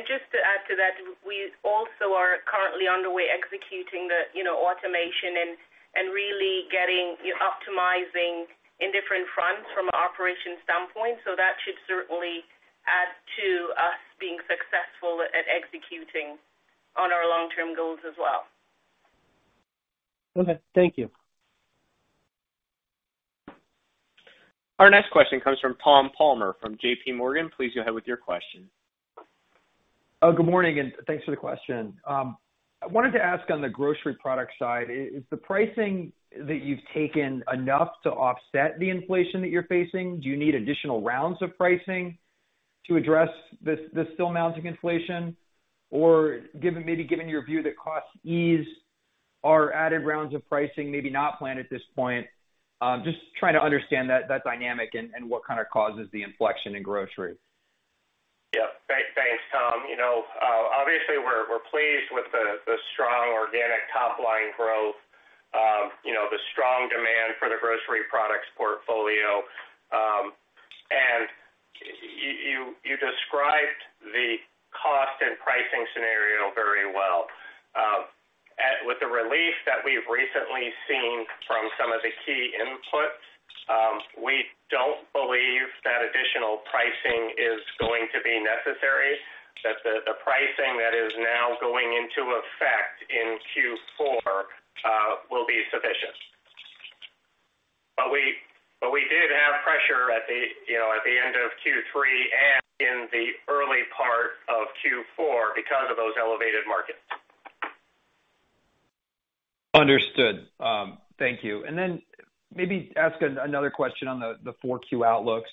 Just to add to that, we also are currently on the way executing the, you know, automation and really getting, optimizing in different fronts from an operations standpoint. That should certainly add to us being successful at executing on our long term goals as well. Okay. Thank you. Our next question comes from Tom Palmer from J.P. Morgan. Please go ahead with your question. Oh, good morning, and thanks for the question. I wanted to ask on the Grocery Products side, is the pricing that you've taken enough to offset the inflation that you're facing? Do you need additional rounds of pricing to address this still mounting inflation? Given your view that costs ease or added rounds of pricing, maybe not planned at this point. Just trying to understand that dynamic and what kind of causes the inflection in Grocery. Yeah. Thanks, Tom. You know, obviously we're pleased with the strong organic top line growth, you know, the strong demand for the Grocery Products portfolio. You described the cost and pricing scenario very well. With the relief that we've recently seen from some of the key inputs, we don't believe that additional pricing is going to be necessary, that the pricing that is now going into effect in Q4 will be sufficient. We did have pressure, you know, at the end of Q3 and in the early part of Q4 because of those elevated markets. Understood. Thank you. Maybe ask another question on the 4Q outlook.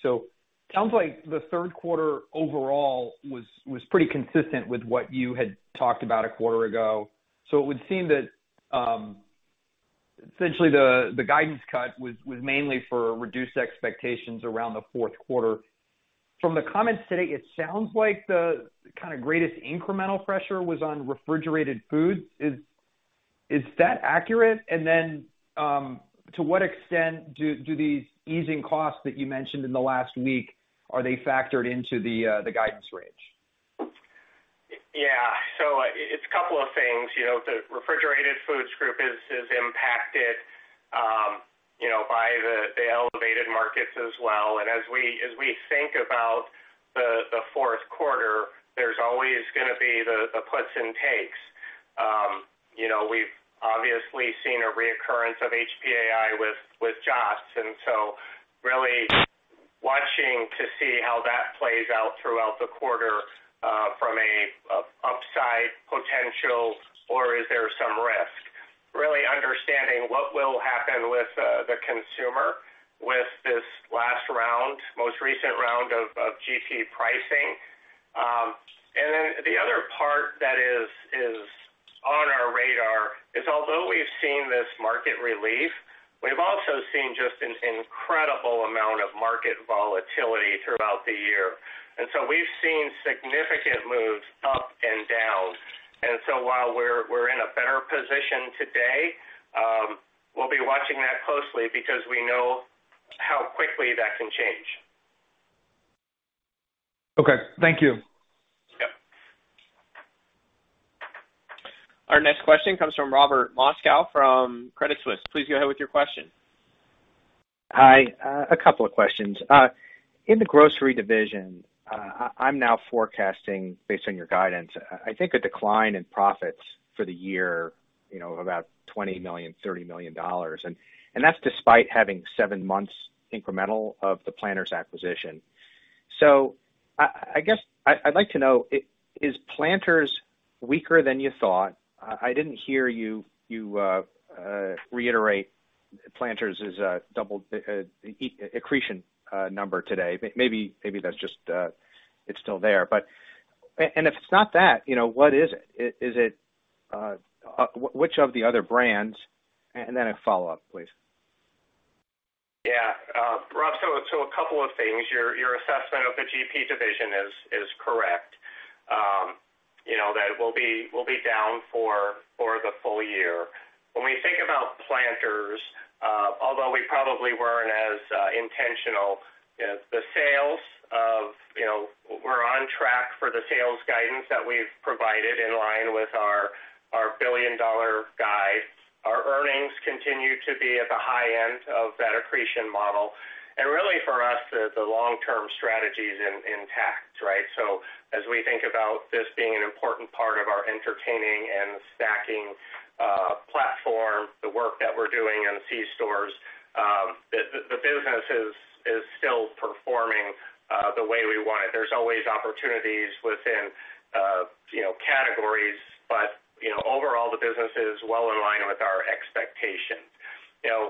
Sounds like the third quarter overall was pretty consistent with what you had talked about a quarter ago. It would seem that essentially the guidance cut was mainly for reduced expectations around the fourth quarter. From the comments today, it sounds like the kinda greatest incremental pressure was on Refrigerated Foods. Is that accurate? To what extent do these easing costs that you mentioned in the last week are they factored into the guidance range? Yeah. It's a couple of things. You know, the Refrigerated Foods group is impacted by the elevated markets as well. As we think about the fourth quarter, there's always gonna be the puts and takes. You know, we've obviously seen a reoccurrence of HPAI with JOTS. Really watching to see how that plays out throughout the quarter from an upside potential or is there some risk, really understanding what will happen with the consumer with this last round, most recent round of GP pricing. Then the other part that is on our radar is although we've seen this market relief, we've also seen just an incredible amount of market volatility throughout the year. We've seen significant moves up and down. While we're in a better position today, we'll be watching that closely because we know how quickly that can change. Okay. Thank you. Yeah. Our next question comes from Robert Moskow from Credit Suisse. Please go ahead with your question. Hi. A couple of questions. In the grocery division, I'm now forecasting based on your guidance, I think a decline in profits for the year, you know, about $20 million-$30 million. And that's despite having seven months incremental of the Planters acquisition. I guess I'd like to know, is Planters weaker than you thought? I didn't hear you reiterate Planters double accretion number today. Maybe that's just, it's still there. But if it's not that, you know, what is it? Is it which of the other brands? And then a follow-up, please. Yeah. Rob, so a couple of things. Your assessment of the GP division is correct, you know, that we'll be down for the full year. When we think about Planters, although we probably weren't as intentional, the sales of, you know, we're on track for the sales guidance that we've provided in line with our billion-dollar guide. Our earnings continue to be at the high end of that accretion model. Really, for us, the long-term strategy is intact, right? As we think about this being an important part of our entertaining and stacking platform, the work that we're doing in C stores, the business is still performing the way we want it. There's always opportunities within, you know, categories, but, you know, overall, the business is well in line with our expectations. You know,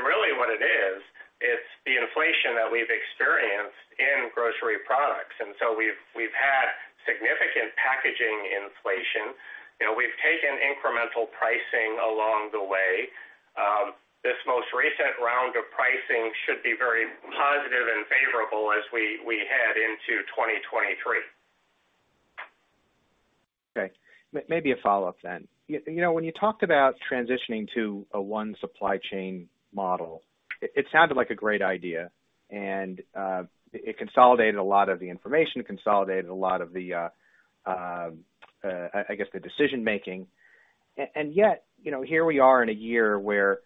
really what it is, it's the inflation that we've experienced in Grocery Products. So we've had significant packaging inflation. You know, we've taken incremental pricing along the way. This most recent round of pricing should be very positive and favorable as we head into 2023. Okay. Maybe a follow-up then. You know, when you talked about transitioning to a One Supply Chain model, it sounded like a great idea, and it consolidated a lot of the information, I guess, the decision-making. Yet, you know, here we are in a year where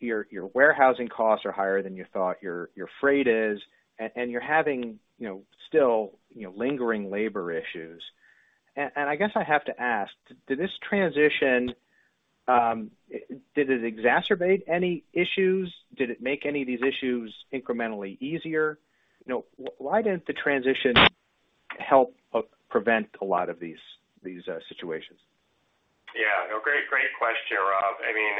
your warehousing costs are higher than you thought, your freight is, and you're having, you know, still, you know, lingering labor issues. I guess I have to ask, did this transition exacerbate any issues? Did it make any of these issues incrementally easier? You know, why didn't the transition help prevent a lot of these situations? Yeah. No, great question, Rob. I mean,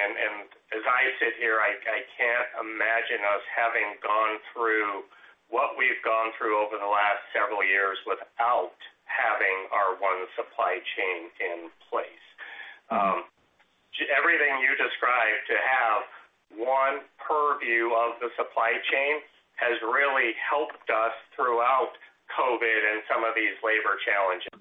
as I sit here, I can't imagine us having gone through what we've gone through over the last several years without having our One Supply Chain in place. Everything you described to have one purview of the supply chain has really helped us throughout COVID and some of these labor challenges.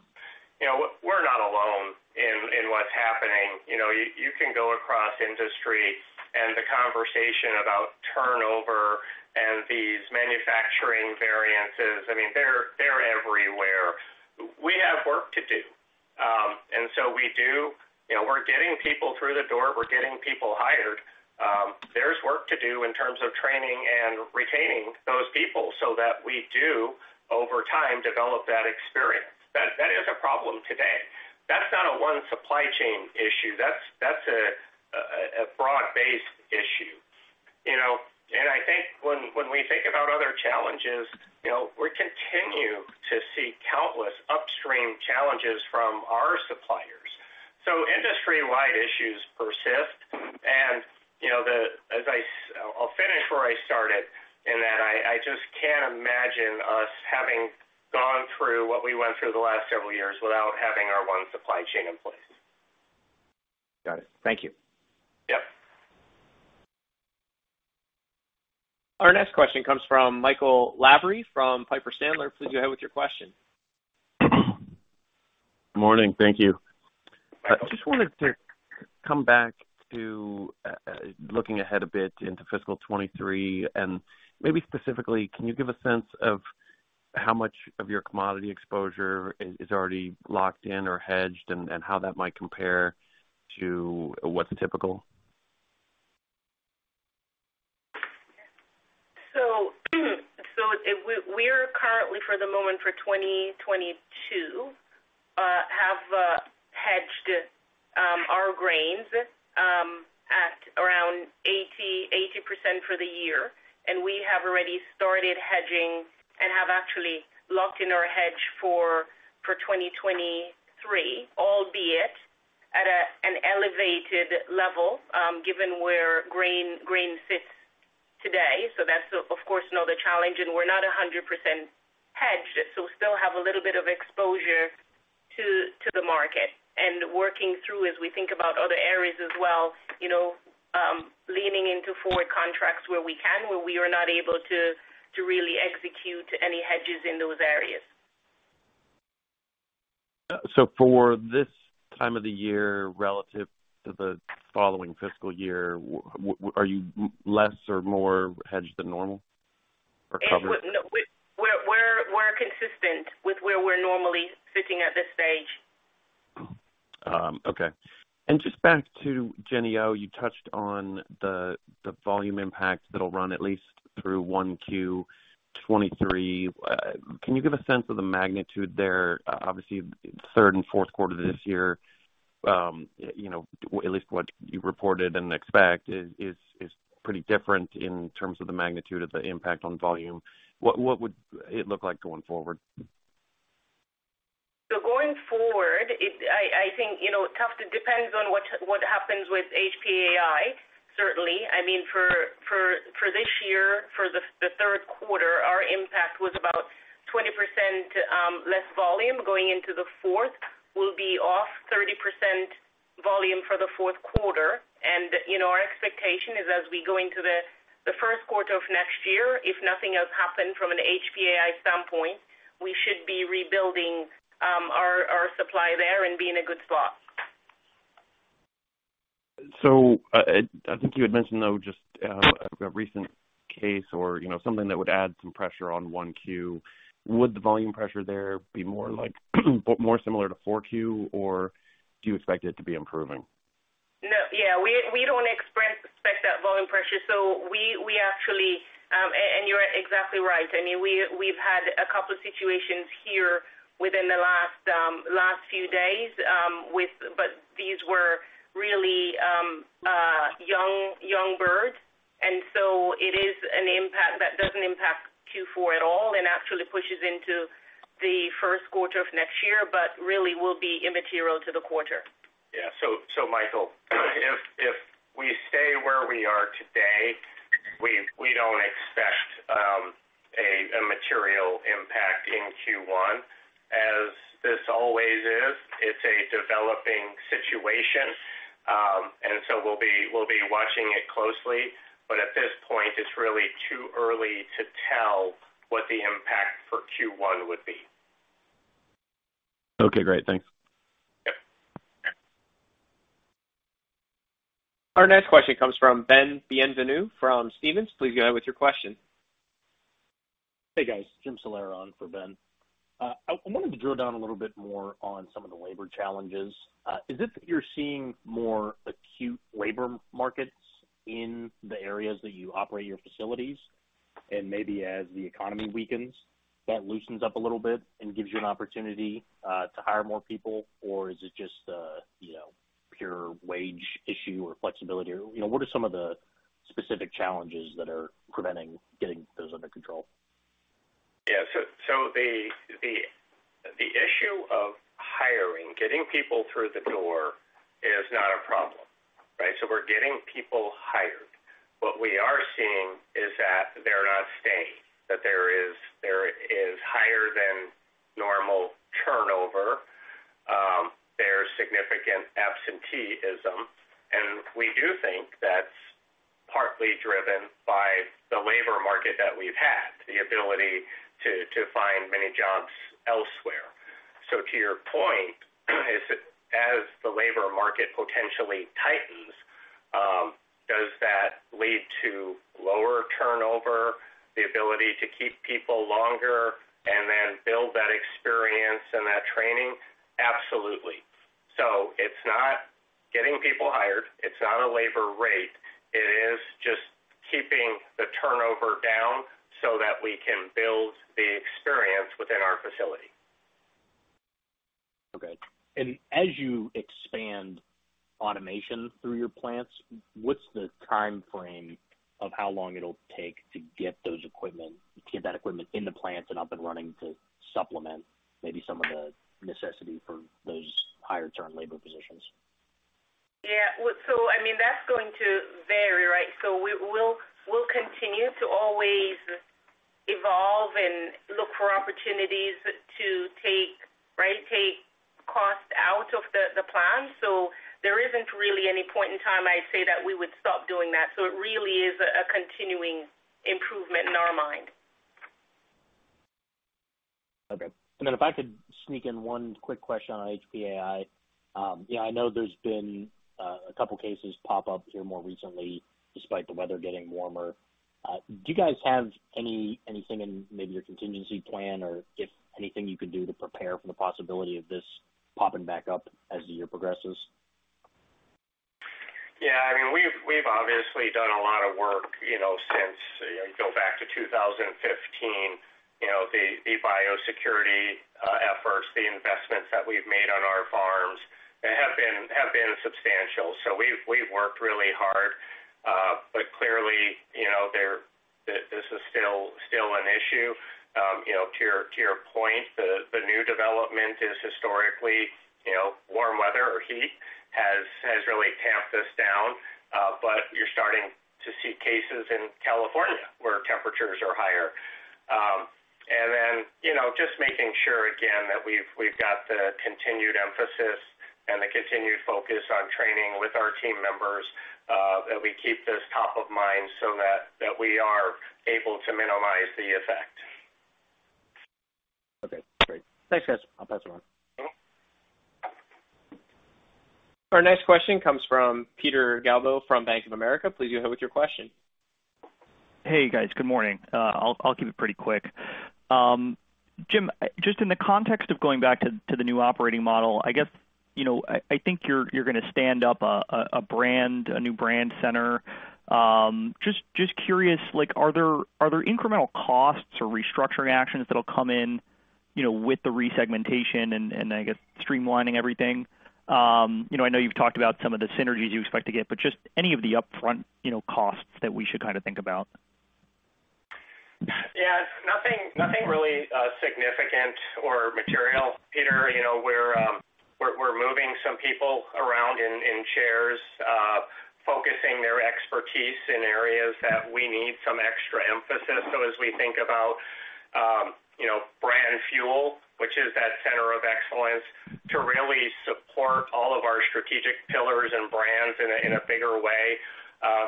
You know, we're not alone in what's happening. You know, you can go across industry and the conversation about turnover and these manufacturing variances. I mean, they're everywhere. We have work to do. We do. You know, we're getting people through the door. We're getting people hired. There's work to do in terms of training and retaining those people so that we do over time develop that experience. That is a problem today. That's not a One Supply Chain issue. That's a broad-based issue. You know, and I think when we think about other challenges, you know, we continue to see countless upstream challenges from our suppliers. Industry-wide issues persist. You know, I'll finish where I started in that I just can't imagine us having gone through what we went through the last several years without having our One Supply Chain in place. Got it. Thank you. Yep. Our next question comes from Michael Lavery from Piper Sandler. Please go ahead with your question. Morning. Thank you. I just wanted to come back to looking ahead a bit into fiscal 2023, and maybe specifically, can you give a sense of how much of your commodity exposure is already locked in or hedged, and how that might compare to what's typical? We're currently for the moment for 2022 have hedged our grains at around 80% for the year. We have already started hedging and have actually locked in our hedge for 2023, albeit at an elevated level, given where grain sits today. That's, of course, another challenge. We're not 100% hedged, so we still have a little bit of exposure to the market. Working through as we think about other areas as well, you know, leaning into forward contracts where we can, where we are not able to really execute any hedges in those areas. For this time of the year relative to the following fiscal year, are you less or more hedged than normal or covered? No. We're consistent with where we're normally sitting at this stage. Okay. Just back to Jennie-O, you touched on the volume impact that'll run at least through 1Q 2023. Can you give a sense of the magnitude there? Obviously, third and fourth quarter this year, you know, at least what you reported and expect is pretty different in terms of the magnitude of the impact on volume. What would it look like going forward? Going forward, I think, you know, it depends on what happens with HPAI, certainly. I mean, for this year, for the third quarter, our impact was about 20% less volume. Going into the fourth, we'll be off 30% volume for the fourth quarter. You know, our expectation is as we go into the first quarter of next year, if nothing has happened from an HPAI standpoint, we should be rebuilding our supply there and be in a good spot. I think you had mentioned, though, just, a recent case or, you know, something that would add some pressure on 1Q. Would the volume pressure there be more like more similar to 4Q, or do you expect it to be improving? No. Yeah. We don't expect that volume pressure. We actually, and you're exactly right. I mean, we've had a couple situations here within the last few days, but these were really young birds. It is an impact that doesn't impact Q4 at all, and actually pushes into the first quarter of next year, but really will be immaterial to the quarter. Michael, if we stay where we are today, we don't expect a material impact in Q1. As this always is, it's a developing situation. We'll be watching it closely, but at this point, it's really too early to tell what the impact for Q1 would be. Okay, great. Thanks. Yep. Our next question comes from Ben Bienvenu from Stephens. Please go ahead with your question. Hey, guys. Jim Salera on for Ben. I wanted to drill down a little bit more on some of the labor challenges. Is it that you're seeing more acute labor markets in the areas that you operate your facilities? Maybe as the economy weakens, that loosens up a little bit and gives you an opportunity to hire more people? Or is it just a you know pure wage issue or flexibility? Or you know what are some of the specific challenges that are preventing getting those under control? Yeah. The issue of hiring, getting people through the door is not a problem, right? We're getting people hired. What we are seeing is that they're not staying, that there is higher than normal turnover. There's significant absenteeism. We do think that's partly driven by the labor market that we've had, the ability to find many jobs elsewhere. To your point, as the labor market potentially tightens, does that lead to lower turnover, the ability to keep people longer and then build that experience and that training? Absolutely. It's not getting people hired. It's not a labor rate. It is just keeping the turnover down so that we can build the experience within our facility. Okay. As you expand automation through your plants, what's the time frame of how long it'll take to get that equipment in the plants and up and running to supplement maybe some of the necessity for those higher term labor positions? Yeah. Well, I mean, that's going to vary, right? We'll continue to always evolve and look for opportunities to take, right, take costs out of the plan. There isn't really any point in time I'd say that we would stop doing that. It really is a continuing improvement in our mind. Okay. If I could sneak in one quick question on HPAI. Yeah, I know there's been a couple of cases pop up here more recently, despite the weather getting warmer. Do you guys have anything in maybe your contingency plan or if anything you can do to prepare for the possibility of this popping back up as the year progresses? Yeah, I mean, we've obviously done a lot of work, you know, since, you know, you go back to 2015. You know, the biosecurity efforts, the investments that we've made on our farms have been substantial. We've worked really hard. Clearly, you know, this is still an issue. You know, to your point, the new development is historically, you know, warm weather or heat has really tamped this down. You're starting to see cases in California where temperatures are higher. You know, just making sure again that we've got the continued emphasis and the continued focus on training with our team members, that we keep this top of mind so that we are able to minimize the effect. Okay, great. Thanks, guys. I'll pass it on. Mm-hmm. Our next question comes from Peter Galbo from Bank of America. Please go ahead with your question. Hey, guys. Good morning. I'll keep it pretty quick. Jim, just in the context of going back to the new operating model, I guess, you know, I think you're gonna stand up a new brand center. Just curious, like, are there incremental costs or restructuring actions that'll come in, you know, with the resegmentation and I guess streamlining everything? You know, I know you've talked about some of the synergies you expect to get, but just any of the upfront, you know, costs that we should kinda think about? Yeah. Nothing really significant or material, Peter. You know, we're moving some people around in chairs, focusing their expertise in areas that we need some extra emphasis. As we think about, you know, Brand Fuel, which is that center of excellence, to really support all of our strategic pillars and brands in a bigger way,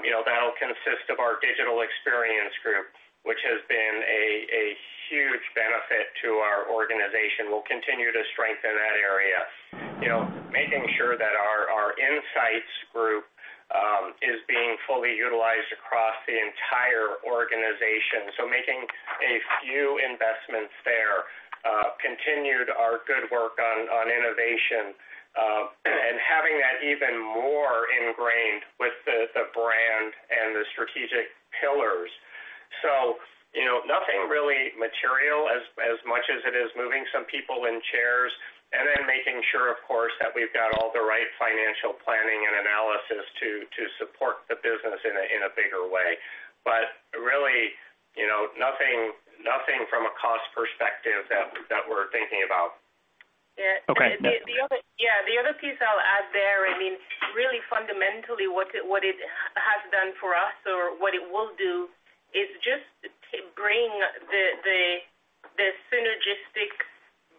you know, that'll consist of our Digital Experience Group, which has been a huge benefit to our organization. We'll continue to strengthen that area. You know, making sure that our insights group is being fully utilized across the entire organization. Making a few investments there, continued our good work on innovation, and having that even more ingrained with the brand and the strategic pillars. You know, nothing really material as much as it is moving some people in chairs and then making sure, of course, that we've got all the right financial planning and analysis to support the business in a bigger way. But really, you know, nothing from a cost perspective that we're thinking about. Okay. Yeah. The other piece I'll add there, I mean, really fundamentally what it has done for us or what it will do is just to bring the synergistic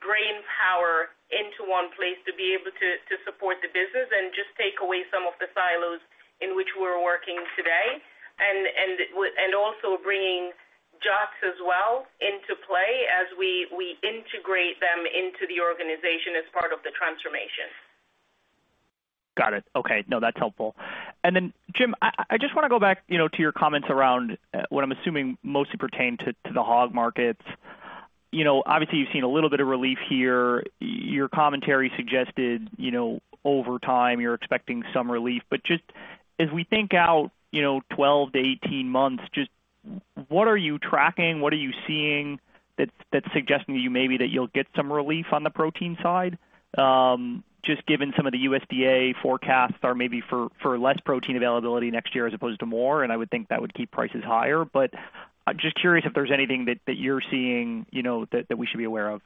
brainpower into one place to be able to support the business and just take away some of the silos in which we're working today. Also bringing JOTS as well into play as we integrate them into the organization as part of the transformation. Got it. Okay. No, that's helpful. Jim, I just wanna go back, you know, to your comments around what I'm assuming mostly pertain to the hog markets. You know, obviously, you've seen a little bit of relief here. Your commentary suggested, you know, over time you're expecting some relief. Just as we think out, you know, 12-18 months, just what are you tracking? What are you seeing that's suggesting to you maybe that you'll get some relief on the protein side? Just given some of the USDA forecasts are maybe for less protein availability next year as opposed to more, and I would think that would keep prices higher. I'm just curious if there's anything that you're seeing, you know, that we should be aware of.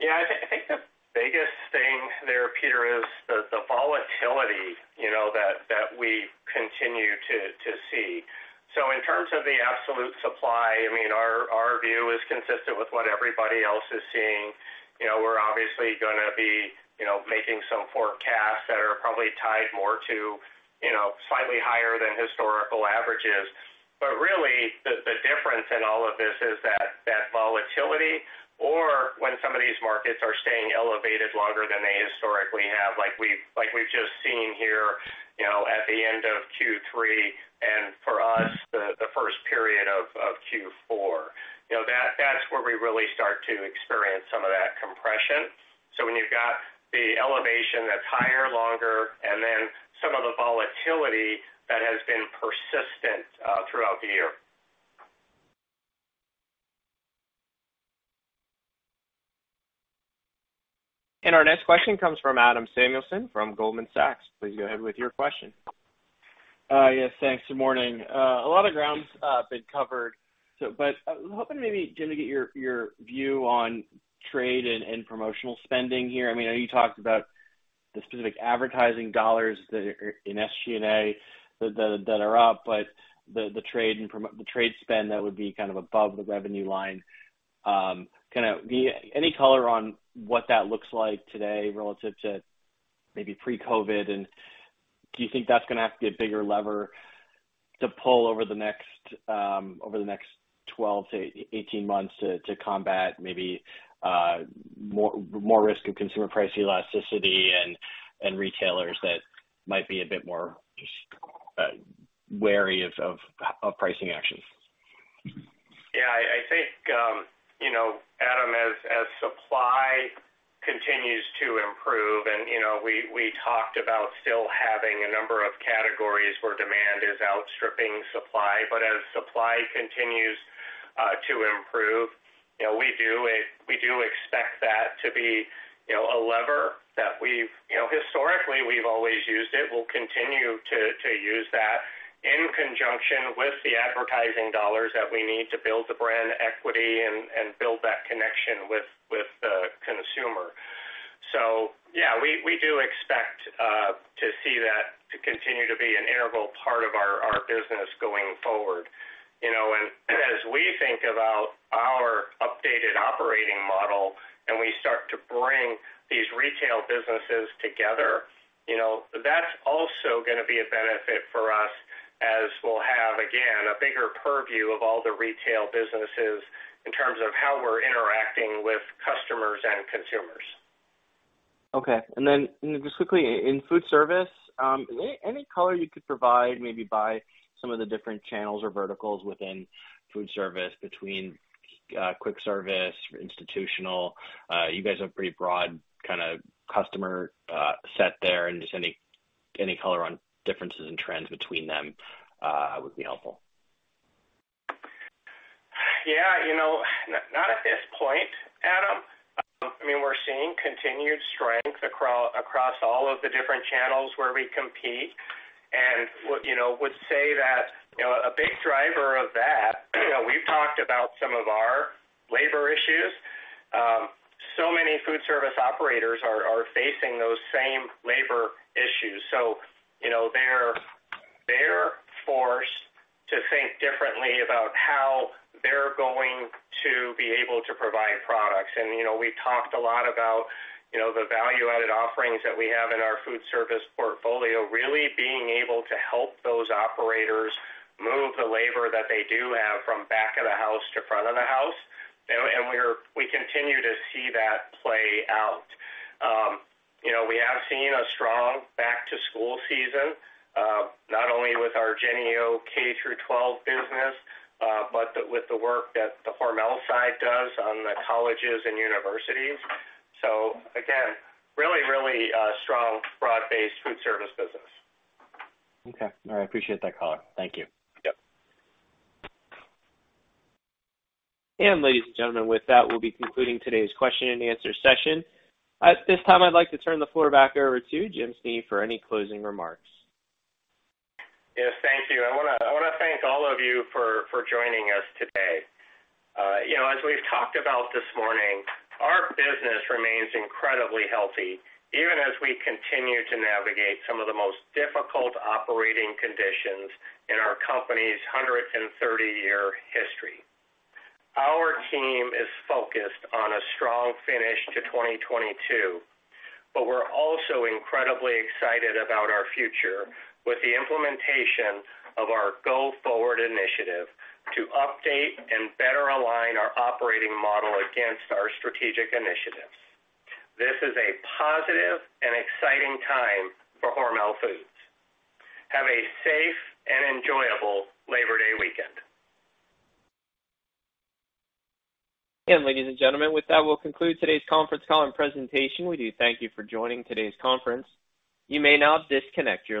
Yeah, I think the biggest thing there, Peter, is the volatility, you know, that we continue to see. In terms of the absolute supply, I mean, our view is consistent with what everybody else is seeing. You know, we're obviously gonna be making some forecasts that are probably tied more to slightly higher than historical averages. Really the difference in all of this is that volatility or when some of these markets are staying elevated longer than they historically have, like we've just seen here, you know, at the end of Q3, and for us the first period of Q4. You know, that's where we really start to experience some of that compression. When you've got the elevation that's higher, longer, and then some of the volatility that has been persistent throughout the year. Our next question comes from Adam Samuelson from Goldman Sachs. Please go ahead with your question. Yes, thanks. Good morning. A lot of ground's been covered, but I was hoping maybe, Jim, to get your view on trade and promotional spending here. I mean, I know you talked about the specific advertising dollars that are in SG&A that are up. The trade spend that would be kind of above the revenue line. Any color on what that looks like today relative to maybe pre-COVID, and do you think that's gonna have to be a bigger lever to pull over the next 12-18 months to combat maybe more risk of consumer price elasticity and retailers that might be a bit more wary of pricing actions? Yeah, I think, you know, Adam, as supply continues to improve and, you know, we talked about still having a number of categories where demand is outstripping supply. As supply continues to improve, you know, we do expect that to be, you know, a lever that we've historically always used. We'll continue to use that in conjunction with the advertising dollars that we need to build the brand equity and build that connection with the consumer. Yeah, we do expect to see that continue to be an integral part of our business going forward. You know, as we think about our updated operating model and we start to bring these Retail businesses together, you know, that's also gonna be a benefit for us as we'll have, again, a bigger purview of all the Retail businesses in terms of how we're interacting with customers and consumers. Okay. Just quickly, in Foodservice, any color you could provide maybe by some of the different channels or verticals within Foodservice between Quick Service, Institutional, you guys have pretty broad kinda customer set there and just any color on differences in trends between them would be helpful. Yeah. You know, not at this point, Adam. I mean, we're seeing continued strength across all of the different channels where we compete and would say that a big driver of that, you know, we've talked about some of our labor issues. So many Foodservice operators are facing those same labor issues. You know, they're forced to think differently about how they're going to be able to provide products. You know, we've talked a lot about the value-added offerings that we have in our Foodservice portfolio, really being able to help those operators move the labor that they do have from back of the house to front of the house. We continue to see that play out. You know, we have seen a strong back to school season, not only with our Jennie-O K through 12 business, but with the work that the Hormel side does on the colleges and universities. Again, really really strong broad-based Foodservice business. Okay. All right. I appreciate that color. Thank you. Yep. Ladies and gentlemen, with that, we'll be concluding today's question-and-answer session. At this time, I'd like to turn the floor back over to Jim Snee for any closing remarks. Yes, thank you. I wanna thank all of you for joining us today. You know, as we've talked about this morning, our business remains incredibly healthy, even as we continue to navigate some of the most difficult operating conditions in our company's 130-year history. Our team is focused on a strong finish to 2022, but we're also incredibly excited about our future with the implementation of our Go Forward initiative to update and better align our operating model against our strategic initiatives. This is a positive and exciting time for Hormel Foods. Have a safe and enjoyable Labor Day weekend. Ladies and gentlemen, with that, we'll conclude today's conference call and presentation. We do thank you for joining today's conference. You may now disconnect your lines.